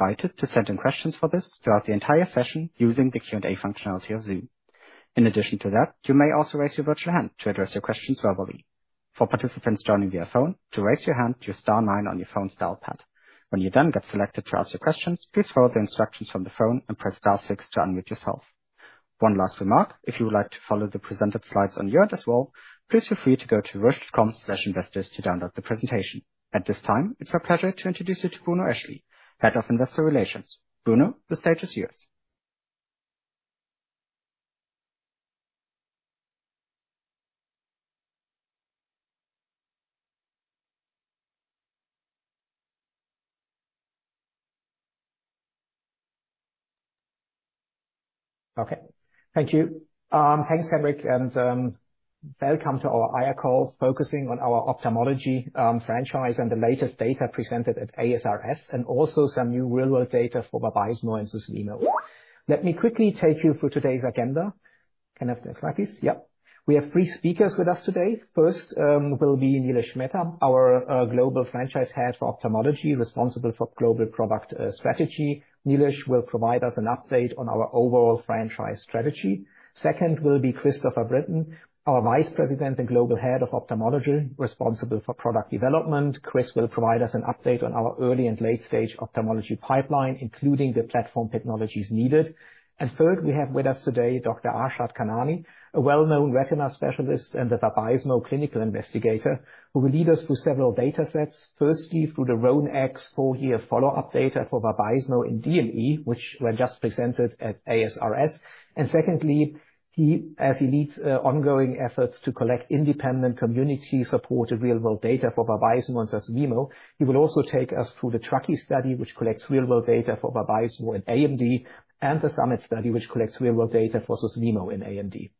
invited to send in questions for this throughout the entire session using the Q&A functionality of Zoom. In addition to that, you may also raise your virtual hand to address your questions verbally. For participants joining via phone, to raise your hand, use star nine on your phone's dial pad. When you then get selected to ask your questions, please follow the instructions from the phone and press star six to unmute yourself. One last remark, if you would like to follow the presented slides on your end as well, please feel free to go to Roche.com/investors to download the presentation. At this time, it's our pleasure to introduce you to Bruno Eschli, Head of Investor Relations. Bruno, the stage is yours. Okay. Thank you. Thanks, Cedric, and welcome to our IR call, focusing on our ophthalmology franchise and the latest data presented at ASRS, and also some new real-world data for Vabysmo and Susvimo. Let me quickly take you through today's agenda. Can I have the slide, please? Yep. We have three speakers with us today. First will be Nilesh Mehta, our Global Franchise Head for Ophthalmology, responsible for global product strategy. Nilesh will provide us an update on our overall franchise strategy. Second will be Christopher Brittain, our Vice President and Global Head of Ophthalmology, responsible for product development. Chris will provide us an update on our early and late-stage ophthalmology pipeline, including the platform technologies needed. And third, we have with us today Dr. Arshad Khanani, a well-known retina specialist and the Vabysmo clinical investigator, who will lead us through several data sets. Firstly, through the RHONE-X four-year follow-up data for Vabysmo and DME, which were just presented at ASRS. And secondly, he, as he leads ongoing efforts to collect independent, community-supported, real-world data for Vabysmo and Susvimo, he will also take us through the Truckee study, which collects real-world data for Vabysmo in AMD, and the SUMMIT study, which collects real-world data for Susvimo in AMD.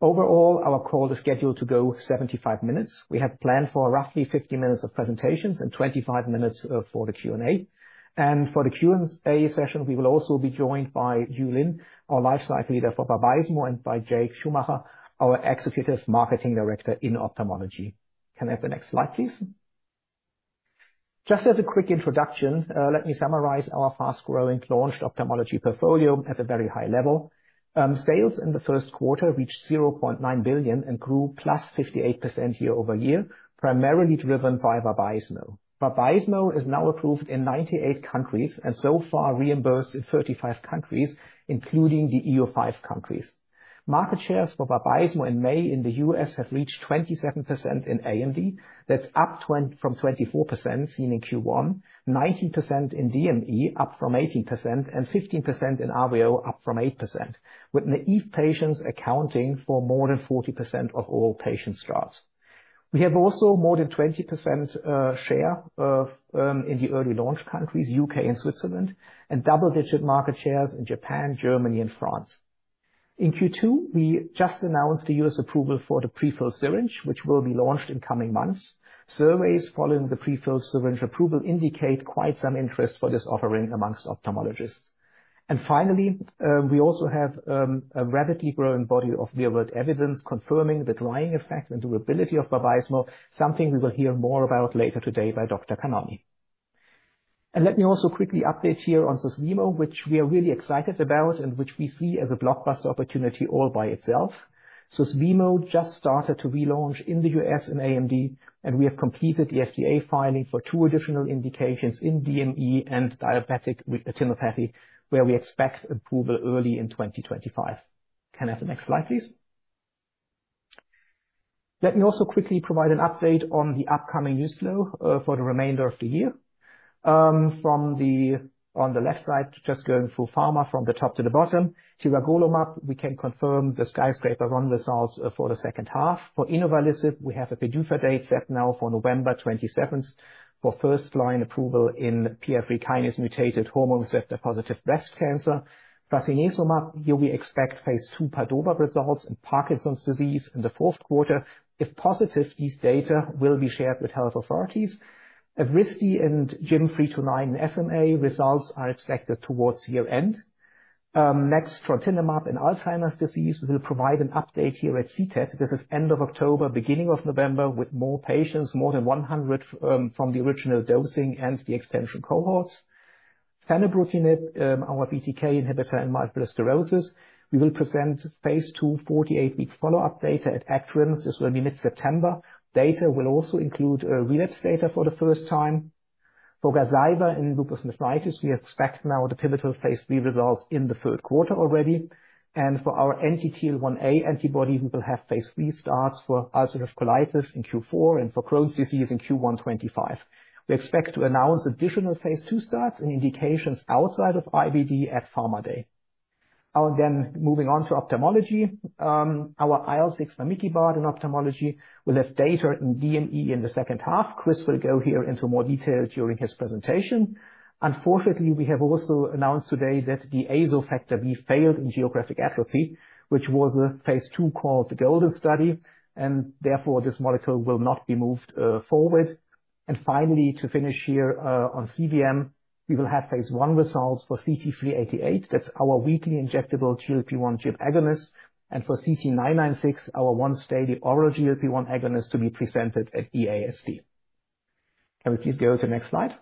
Overall, our call is scheduled to go 75 minutes. We have planned for roughly 50 minutes of presentations and 25 minutes for the Q&A. And for the Q&A session, we will also be joined by Yu Lin, our lifecycle leader for Vabysmo, and by Jake Schumacher, our executive marketing director in ophthalmology. Can I have the next slide, please? Just as a quick introduction, let me summarize our fast-growing launched ophthalmology portfolio at a very high level. Sales in the first quarter reached 0.9 billion and grew +58% year-over-year, primarily driven by Vabysmo. Vabysmo is now approved in 98 countries, and so far reimbursed in 35 countries, including the EU5 countries. Market shares for Vabysmo in May in the US have reached 27% in AMD. That's up from 24% seen in Q1, 19% in DME, up from 18%, and 15% in RVO, up from 8%, with naive patients accounting for more than 40% of all patient starts. We have also more than 20% share in the early launch countries, UK and Switzerland, and double-digit market shares in Japan, Germany and France. In Q2, we just announced the US approval for the pre-filled syringe, which will be launched in coming months. Surveys following the pre-filled syringe approval indicate quite some interest for this offering amongst ophthalmologists. And finally, we also have a rapidly growing body of real-world evidence confirming the drying effect and durability of Vabysmo, something we will hear more about later today by Dr. Khanani. Let me also quickly update you on Susvimo, which we are really excited about, and which we see as a blockbuster opportunity all by itself. Susvimo just started to relaunch in the U.S. in AMD, and we have completed the FDA filing for two additional indications in DME and diabetic retinopathy, where we expect approval early in 2025. Can I have the next slide, please? Let me also quickly provide an update on the upcoming news flow for the remainder of the year. From the left side, just going through pharma from the top to the bottom. Tiragolumab, we can confirm the Skyscraper-01 results for the second half. For inavolisib, we have a PDUFA date set now for November 27, for first-line approval in PIK3CA-mutated hormone receptor-positive breast cancer. Prasinezumab, here we expect phase 2 PADOVA results in Parkinson's disease in the fourth quarter. If positive, these data will be shared with health authorities. Evrysdi and 3- to 9-month SMA results are expected towards year-end. Next, trontinemab in Alzheimer's disease, we will provide an update here at CTAD. This is end of October, beginning of November, with more patients, more than 100, from the original dosing and the extension cohorts. Fenebrutinib, our BTK inhibitor in multiple sclerosis, we will present phase 2 48-week follow-up data at ECTRIMS. This will be mid-September. Data will also include relapse data for the first time. For Gazyva in lupus nephritis, we expect now the pivotal phase 3 results in the third quarter already. And for our anti-TL1A antibody, we will have phase 3 starts for ulcerative colitis in Q4, and for Crohn's disease in Q1 2025. We expect to announce additional phase 2 starts and indications outside of IBD at Pharma Day. And then moving on to ophthalmology, our IL-6 RA vamikibart in ophthalmology, we'll have data in DME in the second half. Chris will go here into more detail during his presentation. Unfortunately, we have also announced today that the ASO Factor B, we failed in geographic atrophy, which was a phase 2 called the Golden Study, and therefore, this molecule will not be moved forward. And finally, to finish here, on CVM, we will have phase 1 results for CT-388. That's our weekly injectable GLP-1 agonist, and for CT-996, our once-daily oral GLP-1 agonist to be presented at EASD. Can we please go to the next slide?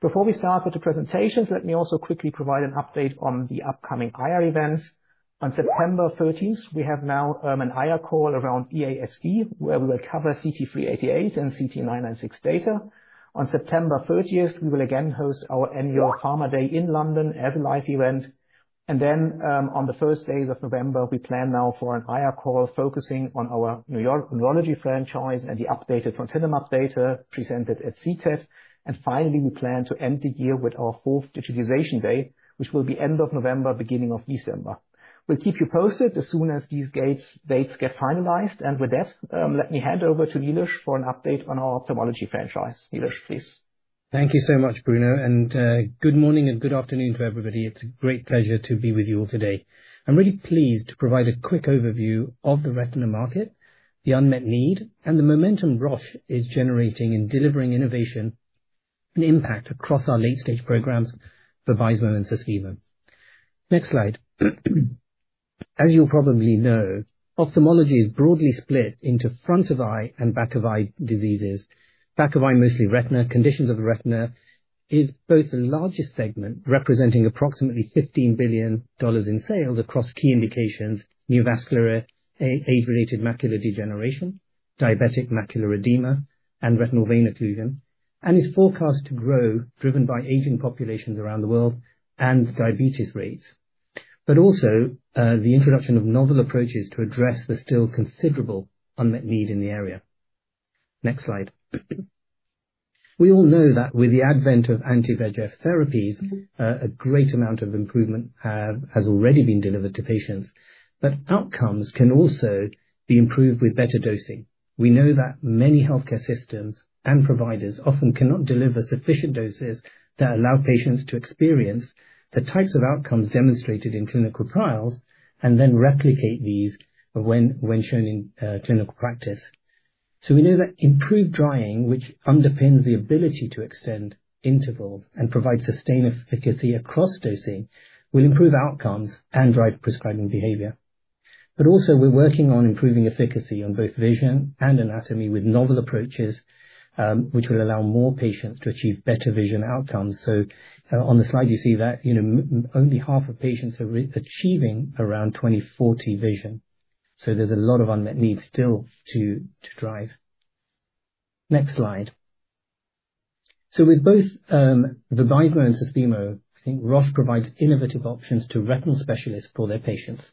Before we start with the presentations, let me also quickly provide an update on the upcoming IR events. On September 13, we have now an IR call around EASD, where we will cover CT-388 and CT-996 data. On September 30, we will again host our annual Pharma Day in London as a live event. And then, on the first days of November, we plan now for an IR call focusing on our neuro neurology franchise and the updated gantenerumab data presented at CTAD. Finally, we plan to end the year with our fourth digitization day, which will be end of November, beginning of December. We'll keep you posted as soon as these dates get finalized, and with that, let me hand over to Nilesh for an update on our ophthalmology franchise. Nilesh, please. Thank you so much, Bruno, and good morning and good afternoon to everybody. It's a great pleasure to be with you all today. I'm really pleased to provide a quick overview of the retina market, the unmet need, and the momentum Roche is generating in delivering innovation and impact across our late stage programs, Vabysmo and Susvimo. Next slide. As you probably know, ophthalmology is broadly split into front of eye and back of eye diseases. Back of eye, mostly retina. Conditions of the retina is both the largest segment, representing approximately $15 billion in sales across key indications, neovascular and age-related macular degeneration, diabetic macular edema, and retinal vein occlusion. And is forecast to grow, driven by aging populations around the world and diabetes rates, but also the introduction of novel approaches to address the still considerable unmet need in the area. Next slide. We all know that with the advent of anti-VEGF therapies, a great amount of improvement has already been delivered to patients, but outcomes can also be improved with better dosing. We know that many healthcare systems and providers often cannot deliver sufficient doses that allow patients to experience the types of outcomes demonstrated in clinical trials, and then replicate these when when shown in clinical practice. So we know that improved drying, which underpins the ability to extend intervals and provide sustained efficacy across dosing, will improve outcomes and drive prescribing behavior. But also, we're working on improving efficacy on both vision and anatomy with novel approaches, which will allow more patients to achieve better vision outcomes. So, on the slide, you know, only half of patients are achieving around 20/40 vision, so there's a lot of unmet needs still to drive. Next slide. So with both Vabysmo and Susvimo, I think Roche provides innovative options to retinal specialists for their patients.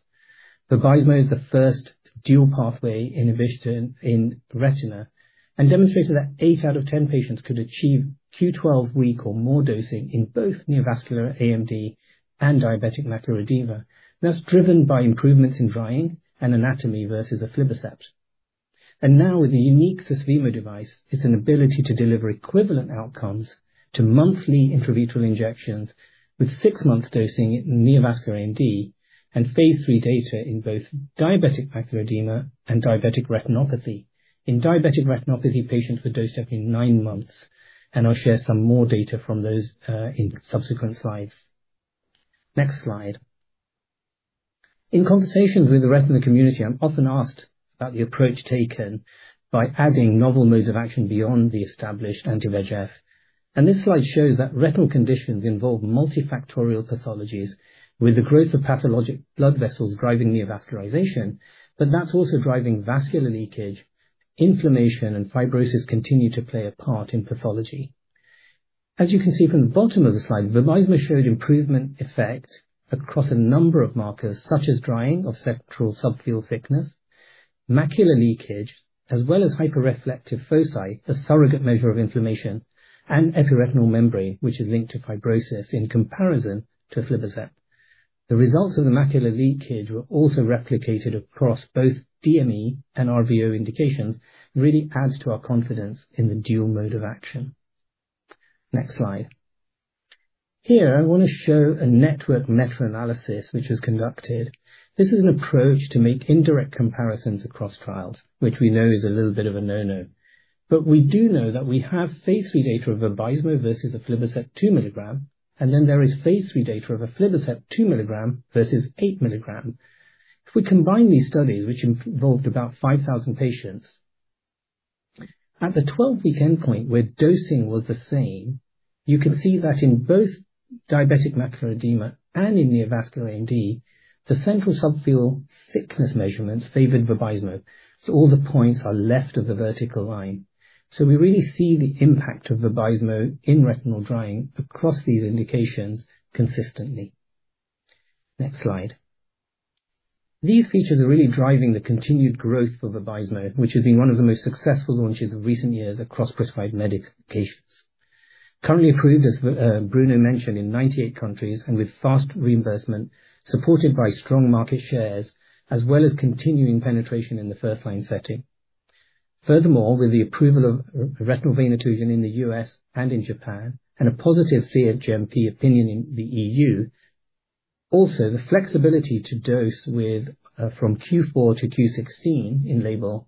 Vabysmo is the first dual pathway innovation in retina and demonstrated that 8 out of 10 patients could achieve Q12 week or more dosing in both neovascular AMD and diabetic macular edema. That's driven by improvements in drying and anatomy versus aflibercept. And now, with the unique Susvimo device, it's an ability to deliver equivalent outcomes to monthly intravitreal injections with 6-month dosing in neovascular AMD and phase 3 data in both diabetic macular edema and diabetic retinopathy. In diabetic retinopathy, patients were dosed every nine months, and I'll share some more data from those in subsequent slides. Next slide. In conversations with the retina community, I'm often asked about the approach taken by adding novel modes of action beyond the established anti-VEGF. This slide shows that retinal conditions involve multifactorial pathologies with the growth of pathologic blood vessels driving neovascularization, but that's also driving vascular leakage. Inflammation and fibrosis continue to play a part in pathology. As you can see from the bottom of the slide, Vabysmo showed improvement effects across a number of markers, such as drying of central subfield thickness, macular leakage, as well as hyperreflective foci, a surrogate measure of inflammation and epiretinal membrane, which is linked to fibrosis in comparison to aflibercept. The results of the macular leakage were also replicated across both DME and RVO indications, really adds to our confidence in the dual mode of action. Next slide. Here, I want to show a network meta-analysis which was conducted. This is an approach to make indirect comparisons across trials, which we know is a little bit of a no-no. But we do know that we have phase three data of Vabysmo versus aflibercept 2 milligram, and then there is phase three data of aflibercept 2 milligram versus 8 milligram. If we combine these studies, which involved about 5,000 patients, at the 12-week endpoint where dosing was the same, you can see that in both diabetic macular edema and in neovascular AMD, the central subfield thickness measurements favored Vabysmo. So all the points are left of the vertical line. So we really see the impact of Vabysmo in retinal drying across these indications consistently. Next slide. These features are really driving the continued growth of Vabysmo, which has been one of the most successful launches of recent years across prescribed medications. Currently approved, as Bruno mentioned, in 98 countries, and with fast reimbursement, supported by strong market shares, as well as continuing penetration in the first line setting. Furthermore, with the approval of retinal vein occlusion in the U.S. and in Japan, and a positive CHMP opinion in the EU, also the flexibility to dose with from Q4 to Q16 in label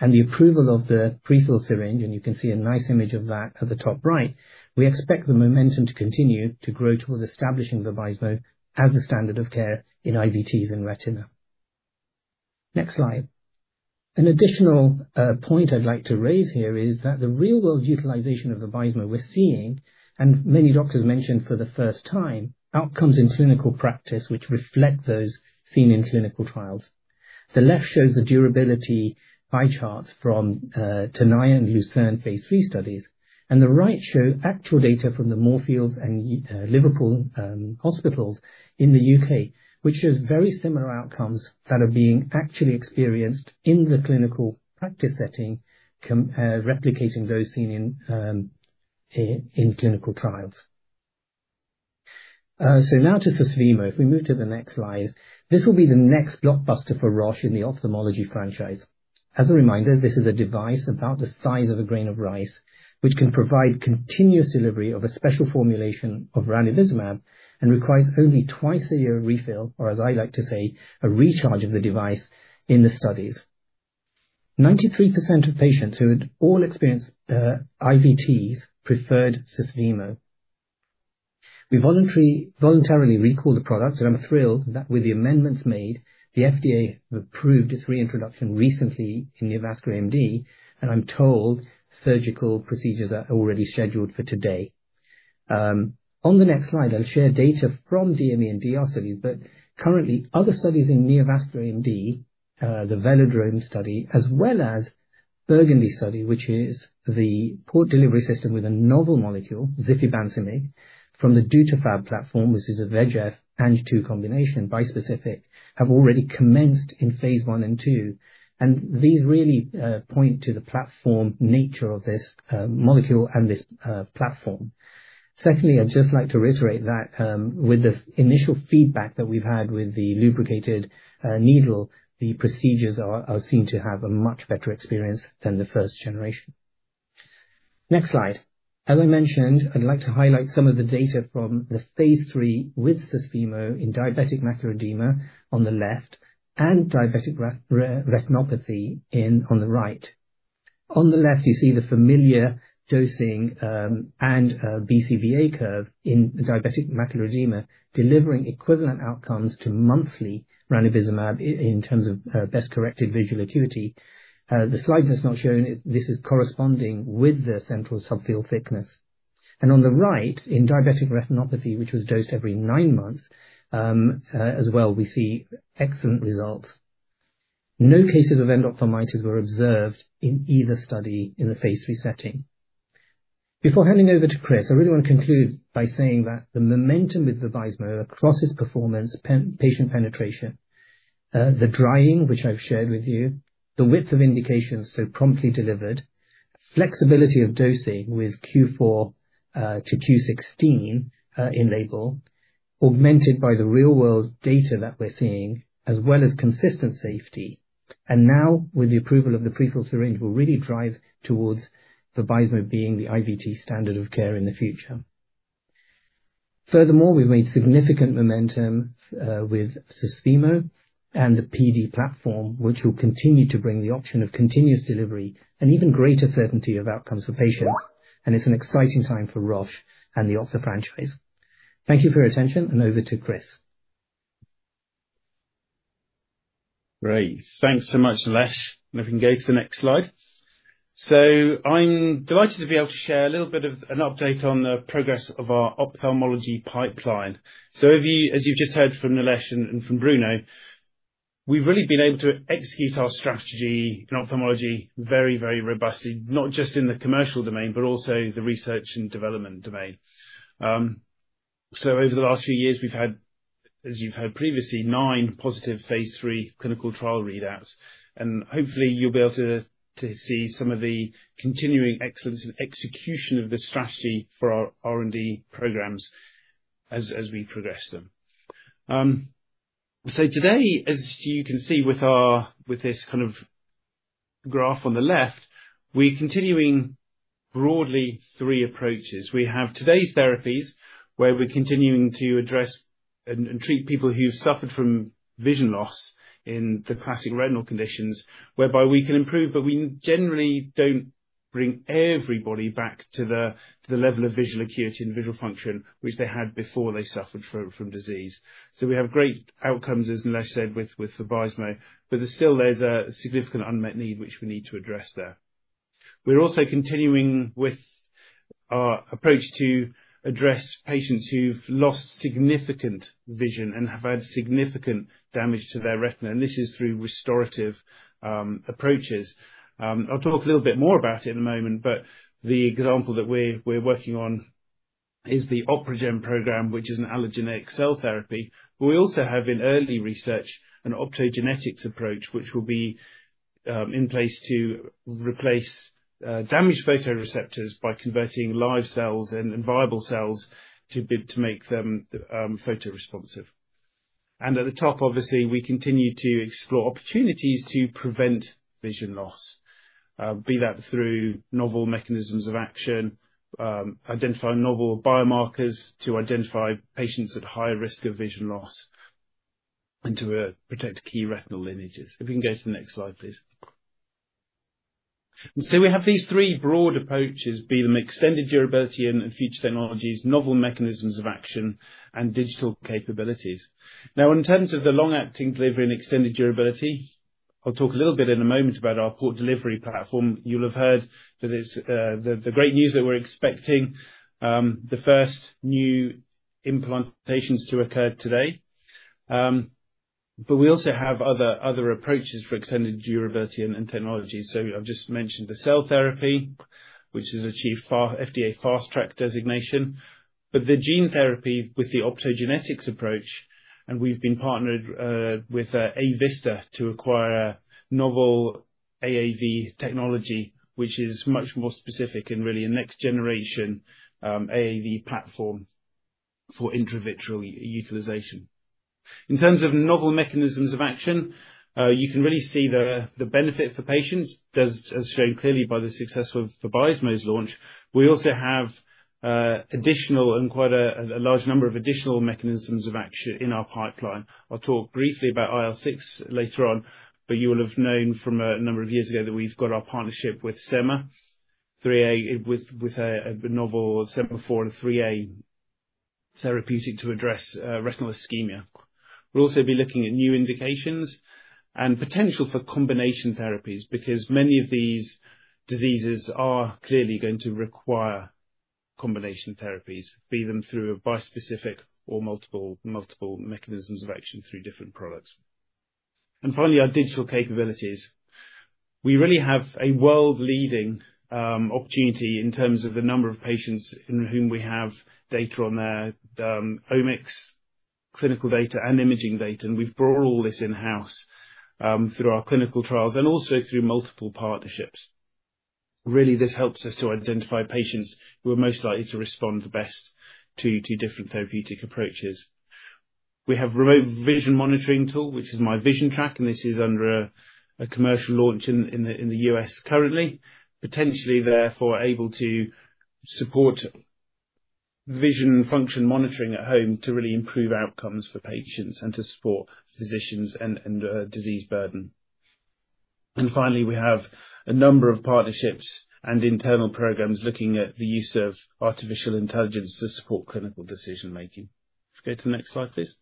and the approval of the prefill syringe, and you can see a nice image of that at the top right, we expect the momentum to continue to grow towards establishing Vabysmo as the standard of care in IVTs and retina. Next slide. An additional point I'd like to raise here is that the real-world utilization of Vabysmo we're seeing, and many doctors mentioned for the first time, outcomes in clinical practice which reflect those seen in clinical trials. The left shows the durability eye charts from TENAYA and LUCERNE Phase 3 studies, and the right show actual data from the Moorfields and Liverpool hospitals in the U.K., which shows very similar outcomes that are being actually experienced in the clinical practice setting, replicating those seen in clinical trials. So now to Susvimo. If we move to the next slide, this will be the next blockbuster for Roche in the ophthalmology franchise. As a reminder, this is a device about the size of a grain of rice, which can provide continuous delivery of a special formulation of ranibizumab, and requires only twice-a-year refill, or as I like to say, a recharge of the device in the studies. 93% of patients who had all experienced IVTs preferred Susvimo. We voluntarily recalled the product, and I'm thrilled that with the amendments made, the FDA approved its reintroduction recently in neovascular AMD, and I'm told surgical procedures are already scheduled for today. On the next slide, I'll share data from DME and DR studies, but currently, other studies in neovascular AMD, the Velodrome study, as well as Burgundy study, which is the Port Delivery System with a novel molecule, zifibancimig, from the Dutafab platform, which is a VEGF Ang-2 combination bispecific, have already commenced in phase 1 and 2. And these really point to the platform nature of this molecule and this platform. Secondly, I'd just like to reiterate that, with the initial feedback that we've had with the lubricated needle, the procedures are seen to have a much better experience than the first generation. Next slide. As I mentioned, I'd like to highlight some of the data from the phase 3 with Susvimo in diabetic macular edema on the left, and diabetic retinopathy on the right. On the left, you see the familiar dosing and BCVA curve in the diabetic macular edema, delivering equivalent outcomes to monthly ranibizumab in terms of best corrective visual acuity. The slide that's not shown, this is corresponding with the central subfield thickness. And on the right, in diabetic retinopathy, which was dosed every 9 months, as well, we see excellent results. No cases of endophthalmitis were observed in either study in the phase 3 setting. Before handing over to Chris, I really want to conclude by saying that the momentum with Vabysmo across its performance, patient penetration, the drying, which I've shared with you, the width of indications so promptly delivered, flexibility of dosing with Q4 to Q16 in label, augmented by the real-world data that we're seeing, as well as consistent safety. And now, with the approval of the prefilled syringe, will really drive towards Vabysmo being the IVT standard of care in the future. Furthermore, we've made significant momentum with Susvimo and the PD platform, which will continue to bring the option of continuous delivery and even greater certainty of outcomes for patients. And it's an exciting time for Roche and the ophtha franchise. Thank you for your attention, and over to Chris. Great. Thanks so much, Nilesh. And if we can go to the next slide. So I'm delighted to be able to share a little bit of an update on the progress of our ophthalmology pipeline. So if you, as you've just heard from Nilesh and from Bruno, we've really been able to execute our strategy in ophthalmology very, very robustly, not just in the commercial domain, but also the research and development domain. So over the last few years, we've had, as you've heard previously, 9 positive phase 3 clinical trial readouts, and hopefully you'll be able to see some of the continuing excellence and execution of this strategy for our R&D programs as as we progress them. So today, as you can see with our, with this kind of graph on the left, we're continuing broadly three approaches. We have today's therapies, where we're continuing to address and treat people who've suffered from vision loss in the classic retinal conditions, whereby we can improve, but we generally don't bring everybody back to the level of visual acuity and visual function which they had before they suffered from disease. So we have great outcomes, as Nilesh said, with Vabysmo, but there's still a significant unmet need, which we need to address there. We're also continuing with our approach to address patients who've lost significant vision and have had significant damage to their retina, and this is through restorative approaches. I'll talk a little bit more about it in a moment, but the example that we're working on is the OpRegen program, which is an allogeneic cell therapy. We also have in early research, an optogenetics approach, which will be in place to replace damaged photoreceptors by converting live cells and, and viable cells to be, to make them photo responsive. And at the top, obviously, we continue to explore opportunities to prevent vision loss, be that through novel mechanisms of action, identifying novel biomarkers to identify patients at high risk of vision loss, and to protect key retinal images. If we can go to the next slide, please. So we have these three broad approaches, be them extended durability and future technologies, novel mechanisms of action, and digital capabilities. Now, in terms of the long-acting delivery and extended durability, I'll talk a little bit in a moment about our port delivery platform. You'll have heard that it's the great news that we're expecting the first new implementations to occur today. But we also have other approaches for extended durability and technology. So I've just mentioned the cell therapy, which has achieved FDA Fast Track designation, but the gene therapy with the optogenetics approach, and we've been partnered with Avista to acquire novel AAV technology, which is much more specific and really a next generation AAV platform for intravitreal utilization. In terms of novel mechanisms of action, you can really see the benefit for patients, as shown clearly by the success of Vabysmo's launch. We also have additional and quite a large number of additional mechanisms of action in our pipeline. I'll talk briefly about IL-6 later on, but you will have known from a number of years ago that we've got our partnership with SemaThera with a novel Semaphorin 3A therapeutic to address retinal ischemia. We'll also be looking at new indications and potential for combination therapies, because many of these diseases are clearly going to require combination therapies, be them through a bispecific or multiple multiple mechanisms of action through different products. And finally, our digital capabilities. We really have a world-leading opportunity in terms of the number of patients in whom we have data on their omics, clinical data, and imaging data, and we've brought all this in-house through our clinical trials and also through multiple partnerships. Really, this helps us to identify patients who are most likely to respond the best to different therapeutic approaches. We have remote vision monitoring tool, which is MyVisionTrack, and this is under a commercial launch in the U.S. currently, potentially therefore able to support vision function monitoring at home to really improve outcomes for patients and to support physicians and disease burden. And finally, we have a number of partnerships and internal programs looking at the use of artificial intelligence to support clinical decision-making. Go to the next slide, please.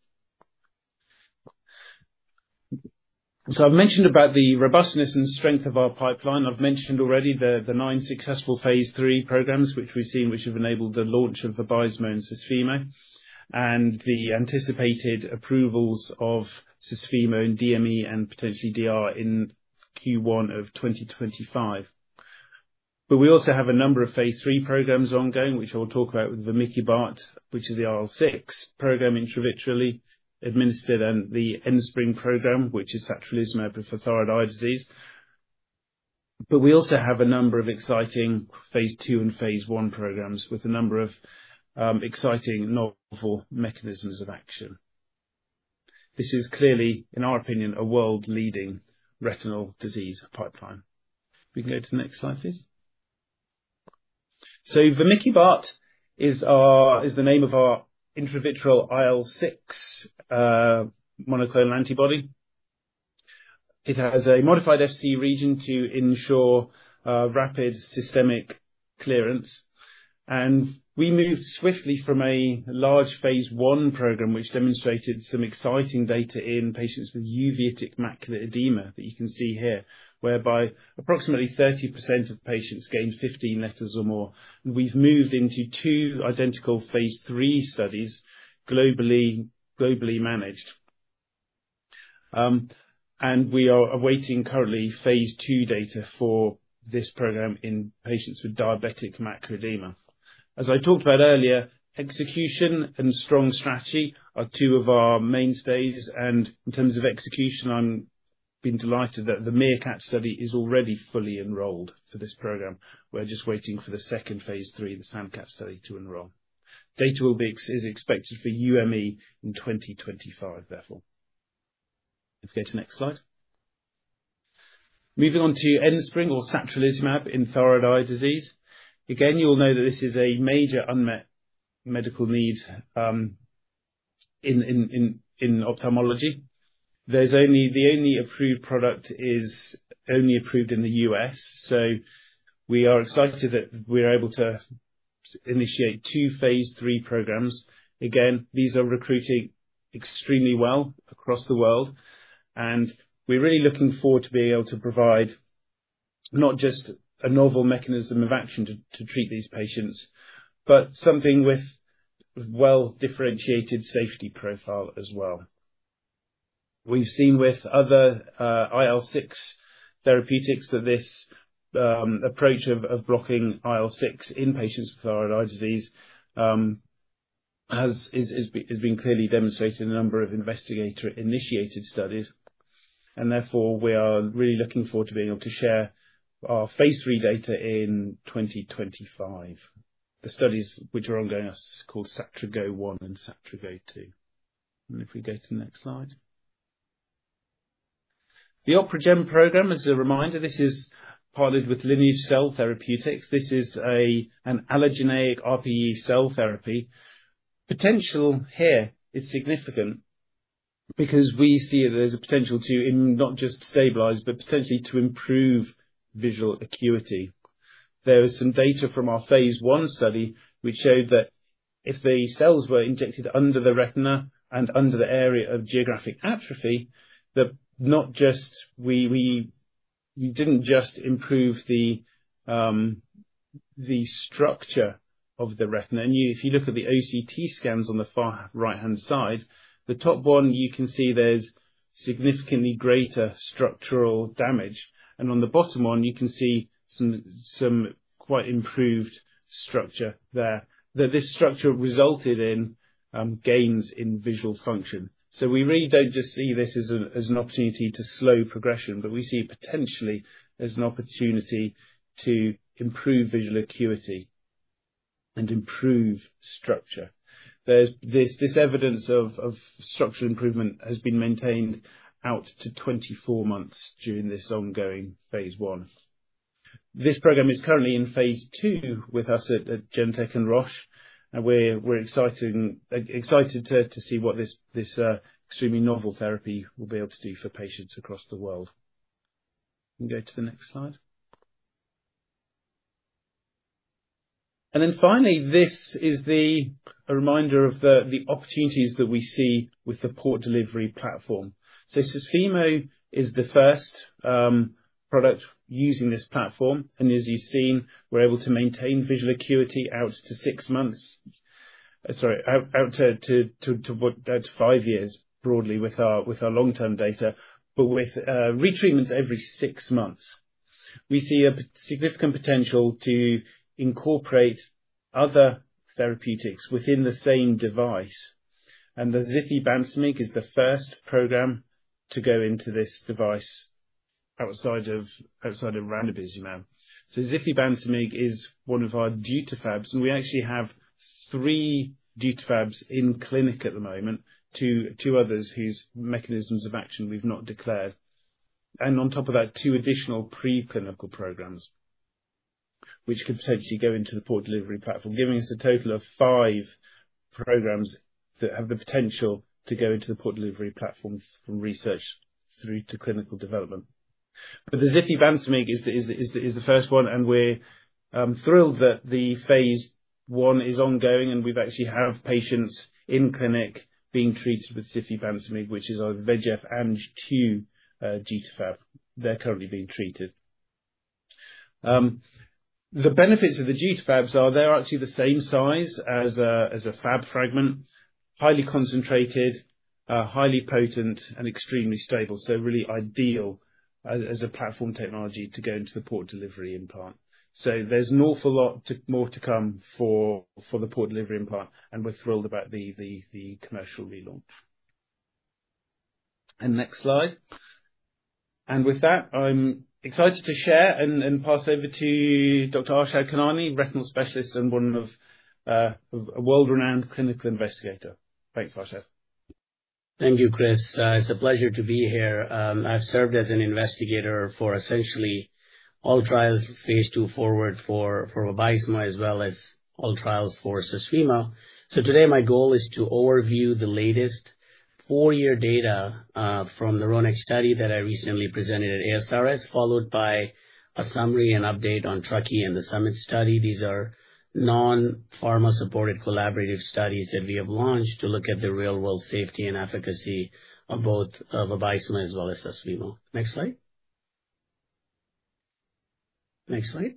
So I've mentioned about the robustness and strength of our pipeline. I've mentioned already the nine successful phase 3 programs, which we've seen, which have enabled the launch of Vabysmo and Susvimo, and the anticipated approvals of Susvimo and DME, and potentially DR, in Q1 of 2025. But we also have a number of phase 3 programs ongoing, which I'll talk about with vamicibart, which is the IL-6 program, intravitreally administered, and the Enspryng program, which is satralizumab for thyroid eye disease. But we also have a number of exciting phase 2 and phase 1 programs with a number of exciting novel mechanisms of action. This is clearly, in our opinion, a world-leading retinal disease pipeline. We can go to the next slide, please. So vamicibart is the name of our intravitreal IL-6 monoclonal antibody. It has a modified FC region to ensure rapid systemic clearance, and we moved swiftly from a large phase 1 program, which demonstrated some exciting data in patients with uveitic macular edema that you can see here, whereby approximately 30% of patients gained 15 letters or more. We've moved into two identical Phase 3 studies, globally, globally managed. And we are awaiting, currently, Phase 2 data for this program in patients with diabetic macular edema. As I talked about earlier, execution and strong strategy are two of our mainstays, and in terms of execution, I've been delighted that the MEERKAT study is already fully enrolled for this program. We're just waiting for the second Phase 3, the SAND-CAT study, to enroll. Data will be expected for UME in 2025, therefore. Let's go to the next slide. Moving on to Enspryng or satralizumab in thyroid eye disease. Again, you'll know that this is a major unmet medical need in in in ophthalmology. There's only the only approved product is only approved in the U.S., so we are excited that we're able to initiate two Phase 3 programs. Again, these are recruiting extremely well across the world, and we're really looking forward to being able to provide not just a novel mechanism of action to treat these patients, but something with well-differentiated safety profile as well. We've seen with other IL-6 therapeutics that this approach of blocking IL-6 in patients with thyroid eye disease has been clearly demonstrated in a number of investigator-initiated studies, and therefore, we are really looking forward to being able to share our phase 3 data in 2025. The studies, which are ongoing, are called SatraGo 1 and SatraGo 2. If we go to the next slide. The OpRegen program, as a reminder, this is partnered with Lineage Cell Therapeutics. This is an allogeneic RPE cell therapy. Potential here is significant-... Because we see there's a potential to, in not just stabilize, but potentially to improve visual acuity. There is some data from our phase 1 study which showed that if the cells were injected under the retina and under the area of geographic atrophy, that we didn't just improve the structure of the retina. And you—if you look at the OCT scans on the far right-hand side, the top one, you can see there's significantly greater structural damage, and on the bottom one, you can see some some quite improved structure there. That this structure resulted in gains in visual function. So we really don't just see this as an opportunity to slow progression, but we see potentially as an opportunity to improve visual acuity and improve structure. There's this evidence of of structure improvement has been maintained out to 24 months during this ongoing phase 1. This program is currently in phase 2 with us at Genentech and Roche, and we're excited to see what this extremely novel therapy will be able to do for patients across the world. You can go to the next slide. And then finally, this is a reminder of the opportunities that we see with the port delivery platform. So Susvimo is the first product using this platform, and as you've seen, we're able to maintain visual acuity out to 6 months. Sorry, out to 5 years, broadly with our long-term data. But with retreatment every 6 months, we see a significant potential to incorporate other therapeutics within the same device. And the zifibancimig is the first program to go into this device outside of ranibizumab. So zifibancimig is one of our Dutafabs, and we actually have 3 Dutafabs in clinic at the moment, 2 others whose mechanisms of action we've not declared. And on top of that, 2 additional preclinical programs, which could potentially go into the port delivery platform, giving us a total of 5 programs that have the potential to go into the port delivery platform from research through to clinical development. But the zifibancimig is the first one, and we're thrilled that the phase 1 is ongoing, and we've actually have patients in clinic being treated with zifibancimig, which is our VEGF-Ang-2 Dutafab. They're currently being treated. The benefits of the Dutafabs are they're actually the same size as a Fab fragment, highly concentrated, highly potent, and extremely stable. So really ideal as a platform technology to go into the port delivery implant. So there's an awful lot more to come for for the port delivery implant, and we're thrilled about the commercial relaunch. Next slide. And with that, I'm excited to share and pass over to Dr. Arshad Khanani, retinal specialist and one of a world-renowned clinical investigator. Thanks, Arshad. Thank you, Chris. It's a pleasure to be here. I've served as an investigator for essentially all trials, phase two forward for Vabysmo, as well as all trials for Susvimo. So today, my goal is to overview the latest four-year data from the RHONE-X study that I recently presented at ASRS, followed by a summary and update on Truckee and the SUMMIT study. These are non-pharma supported collaborative studies that we have launched to look at the real-world safety and efficacy of both Vabysmo as well as Susvimo. Next slide. Next slide.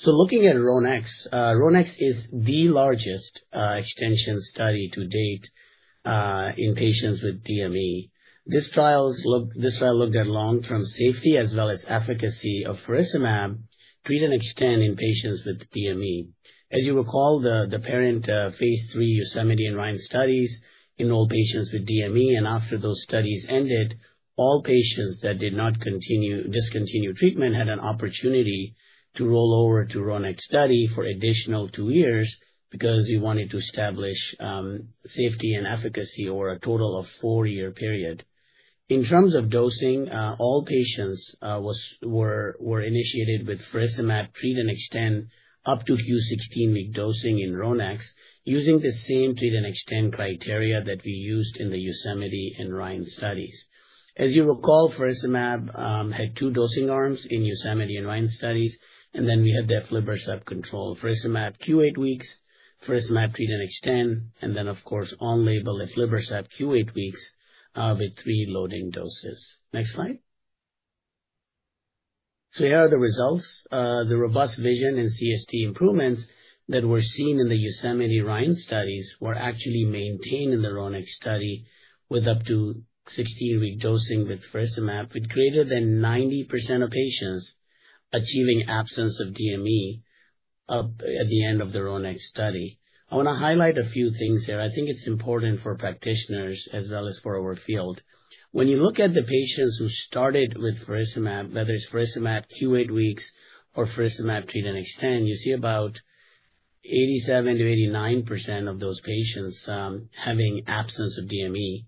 So looking at RHONE-X, RHONE-X is the largest extension study to date in patients with DME. This trial looked at long-term safety as well as efficacy of faricimab, treat and extend in patients with DME. As you recall, the parent phase 3 Yosemite and Rhine studies enrolled patients with DME, and after those studies ended, all patients that did not continue, discontinue treatment had an opportunity to roll over to RHONE-X study for additional 2 years, because we wanted to establish safety and efficacy over a total of 4-year period. In terms of dosing, all patients werewere initiated with faricimab treat and extend up to Q 16-week dosing in RHONE-X, using the same treat and extend criteria that we used in the Yosemite and Rhine studies. As you recall, faricimab had two dosing arms in Yosemite and Rhine studies, and then we had the aflibercept control. Faricimab Q 8 weeks, faricimab treat and extend, and then, of course, on-label aflibercept Q 8 weeks with 3 loading doses. Next slide. So here are the results. The robust vision and CST improvements that were seen in the YOSEMITE and RHINE studies were actually maintained in the RHONE-X study, with up to 16-week dosing with faricimab, with greater than 90% of patients achieving absence of DME at the end of the RHONE-X study. I want to highlight a few things here. I think it's important for practitioners as well as for our field. When you look at the patients who started with faricimab, whether it's faricimab Q 8 weeks or faricimab treat and extend, you see about 87%-89% of those patients having absence of DME,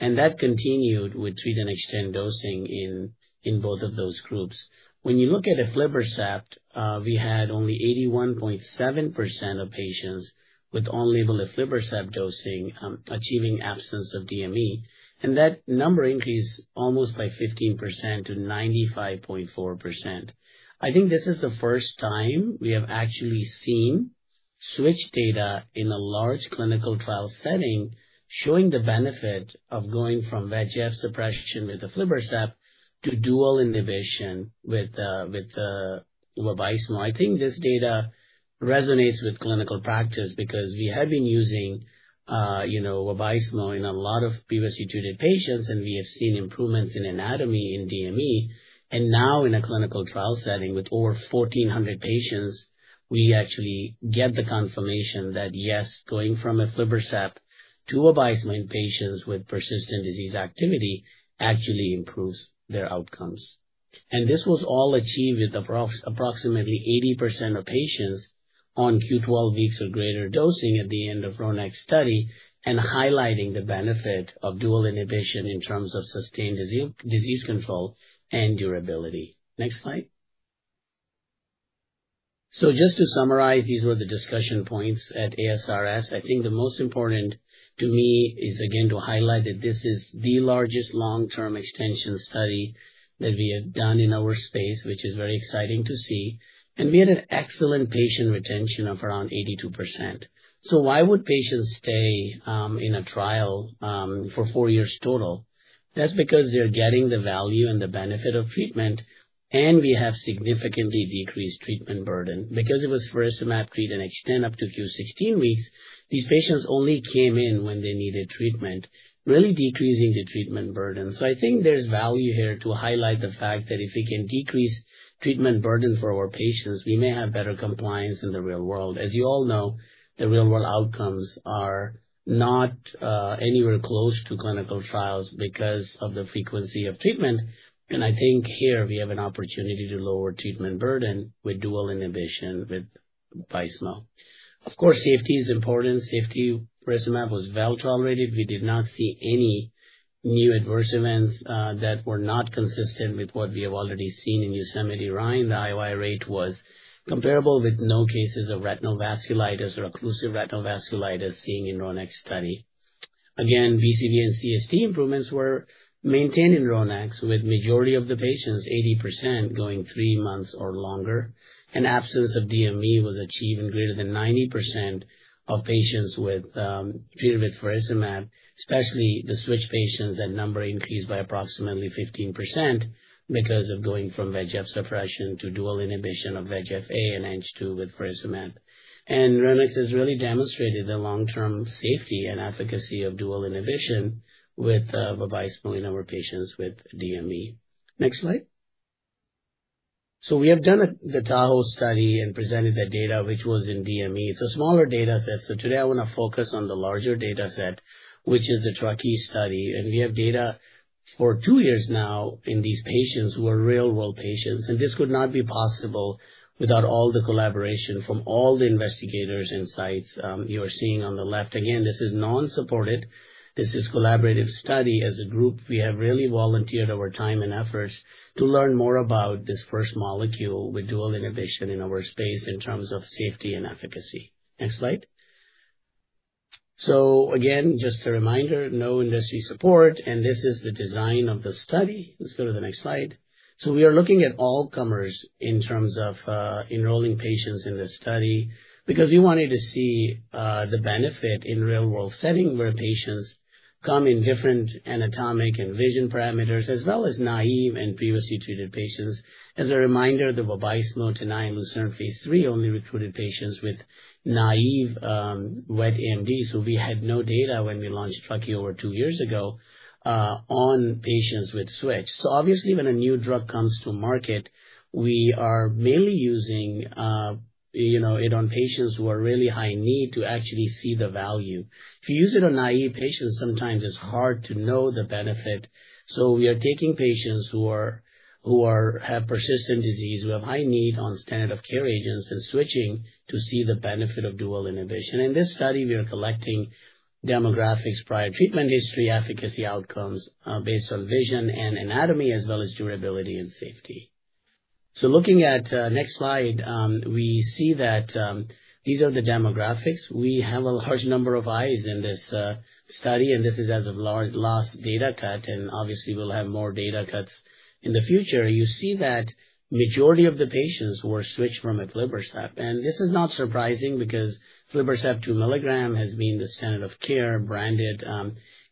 and that continued with treat-and-extend dosing in in both of those groups. When you look at aflibercept, we had only 81.7% of patients with on-label aflibercept dosing achieving absence of DME. And that number increased almost by 15% to 95.4%. I think this is the first time we have actually seen switch data in a large clinical trial setting, showing the benefit of going from VEGF suppression with aflibercept to dual inhibition with with Vabysmo. I think this data resonates with clinical practice because we have been using, you know, Vabysmo in a lot of previously treated patients, and we have seen improvements in anatomy in DME. And now in a clinical trial setting with over 1,400 patients, we actually get the confirmation that, yes, going from aflibercept to a Vabysmo in patients with persistent disease activity actually improves their outcomes. This was all achieved with approximately 80% of patients on Q12 weeks or greater dosing at the end of RHONE-X study, and highlighting the benefit of dual inhibition in terms of sustained disease control and durability. Next slide. So just to summarize, these were the discussion points at ASRS. I think the most important to me is, again, to highlight that this is the largest long-term extension study that we have done in our space, which is very exciting to see. And we had an excellent patient retention of around 82%. So why would patients stay in a trial for four years total? That's because they're getting the value and the benefit of treatment, and we have significantly decreased treatment burden. Because it was faricimab treat-and-extend up to Q 16 weeks, these patients only came in when they needed treatment, really decreasing the treatment burden. So I think there's value here to highlight the fact that if we can decrease treatment burden for our patients, we may have better compliance in the real world. As you all know, the real-world outcomes are not anywhere close to clinical trials because of the frequency of treatment, and I think here we have an opportunity to lower treatment burden with dual inhibition, with Vabysmo. Of course, safety is important. Safety, faricimab was well tolerated. We did not see any new adverse events that were not consistent with what we have already seen in Yosemite Rhine. The IOI rate was comparable, with no cases of retinal vasculitis or occlusive retinal vasculitis seen in RHONE-X study. Again, BCVA and CST improvements were maintained in RHONE-X, with majority of the patients, 80%, going three months or longer. Absence of DME was achieved in greater than 90% of patients with treated with faricimab, especially the switch patients. That number increased by approximately 15% because of going from VEGF suppression to dual inhibition of VEGF-A and Ang-2 with faricimab. RHONE-X has really demonstrated the long-term safety and efficacy of dual inhibition with Vabysmo in our patients with DME. Next slide. So we have done the Tahoe study and presented the data, which was in DME. It's a smaller data set, so today I want to focus on the larger data set, which is the Truckee study. And we have data for 2 years now in these patients who are real-world patients, and this would not be possible without all the collaboration from all the investigators and sites. You are seeing on the left. Again, this is non-supported. This is collaborative study. As a group, we have really volunteered our time and efforts to learn more about this first molecule with dual inhibition in our space in terms of safety and efficacy. Next slide. So again, just a reminder, no industry support, and this is the design of the study. Let's go to the next slide. So we are looking at all comers in terms of enrolling patients in this study because we wanted to see the benefit in real-world setting, where patients come in different anatomic and vision parameters, as well as naive and previously treated patients. As a reminder, the Vabysmo, the, and Lucentis phase 3 only recruited patients with naive wet AMD, so we had no data when we launched Truckee over two years ago on patients with switch. So obviously, when a new drug comes to market, we are mainly using, you know, it on patients who are really high need to actually see the value. If you use it on naive patients, sometimes it's hard to know the benefit. So we are taking patients who are, who are have persistent disease, who have high need on standard of care agents, and switching to see the benefit of dual inhibition. In this study, we are collecting demographics, prior treatment history, efficacy outcomes based on vision and anatomy, as well as durability and safety. So looking at next slide, we see that these are the demographics. We have a large number of eyes in this study, and this is as of our last data cut, and obviously we'll have more data cuts in the future. You see that majority of the patients were switched from aflibercept, and this is not surprising because aflibercept 2 mg has been the standard of care branded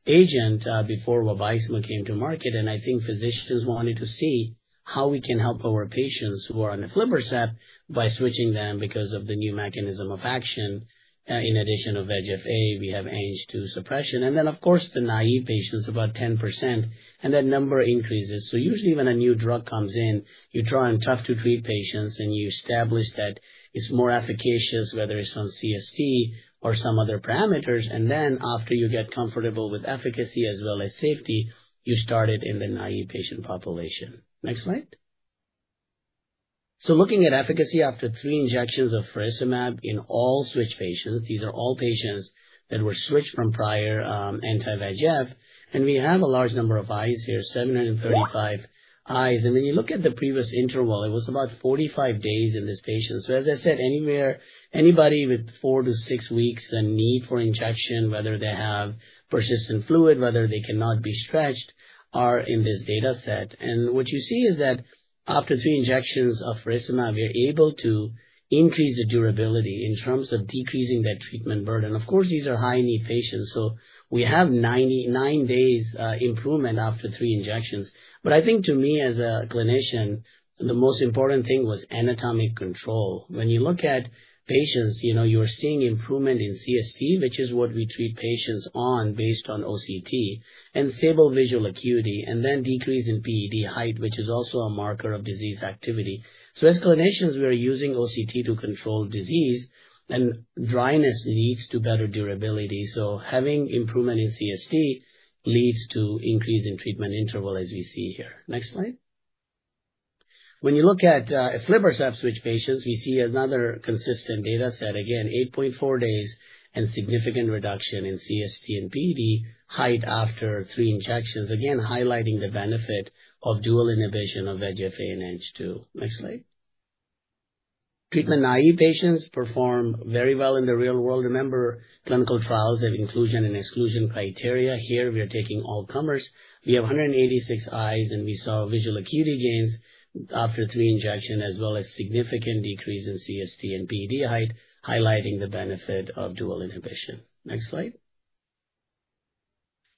agent before Vabysmo came to market. And I think physicians wanted to see how we can help our patients who are on aflibercept by switching them because of the new mechanism of action. And in addition to VEGF-A, we have Ang-2 suppression, and then, of course, the naive patients, about 10%, and that number increases. So usually when a new drug comes in, you try on tough-to-treat patients, and you establish that it's more efficacious, whether it's on CST or some other parameters. And then after you get comfortable with efficacy as well as safety, you start it in the naive patient population. Next slide. So looking at efficacy after three injections of faricimab in all switch patients, these are all patients that were switched from prior anti-VEGF, and we have a large number of eyes here, 735 eyes. And when you look at the previous interval, it was about 45 days in this patient. So as I said, anybody with 4-6 weeks and need for injection, whether they have persistent fluid, whether they cannot be stretched, are in this data set. And what you see is that after three injections of faricimab, we are able to increase the durability in terms of decreasing that treatment burden. Of course, these are high-need patients, so we have 99 days improvement after three injections. But I think to me, as a clinician, the most important thing was anatomic control. When you look at patients, you know, you are seeing improvement in CST, which is what we treat patients on based on OCT, and stable visual acuity, and then decrease in PED height, which is also a marker of disease activity. So as clinicians, we are using OCT to control disease, and dryness leads to better durability. So having improvement in CST leads to increase in treatment interval, as you see here. Next slide. When you look at aflibercept switch patients, we see another consistent data set. Again, 8.4 days and significant reduction in CST and PED height after three injections, again, highlighting the benefit of dual inhibition of VEGF-A and Ang-2. Next slide. Treatment-naive patients perform very well in the real world. Remember, clinical trials have inclusion and exclusion criteria. Here, we are taking all comers. We have 186 eyes, and we saw visual acuity gains after three injections, as well as significant decrease in CST and PED height, highlighting the benefit of dual inhibition. Next slide.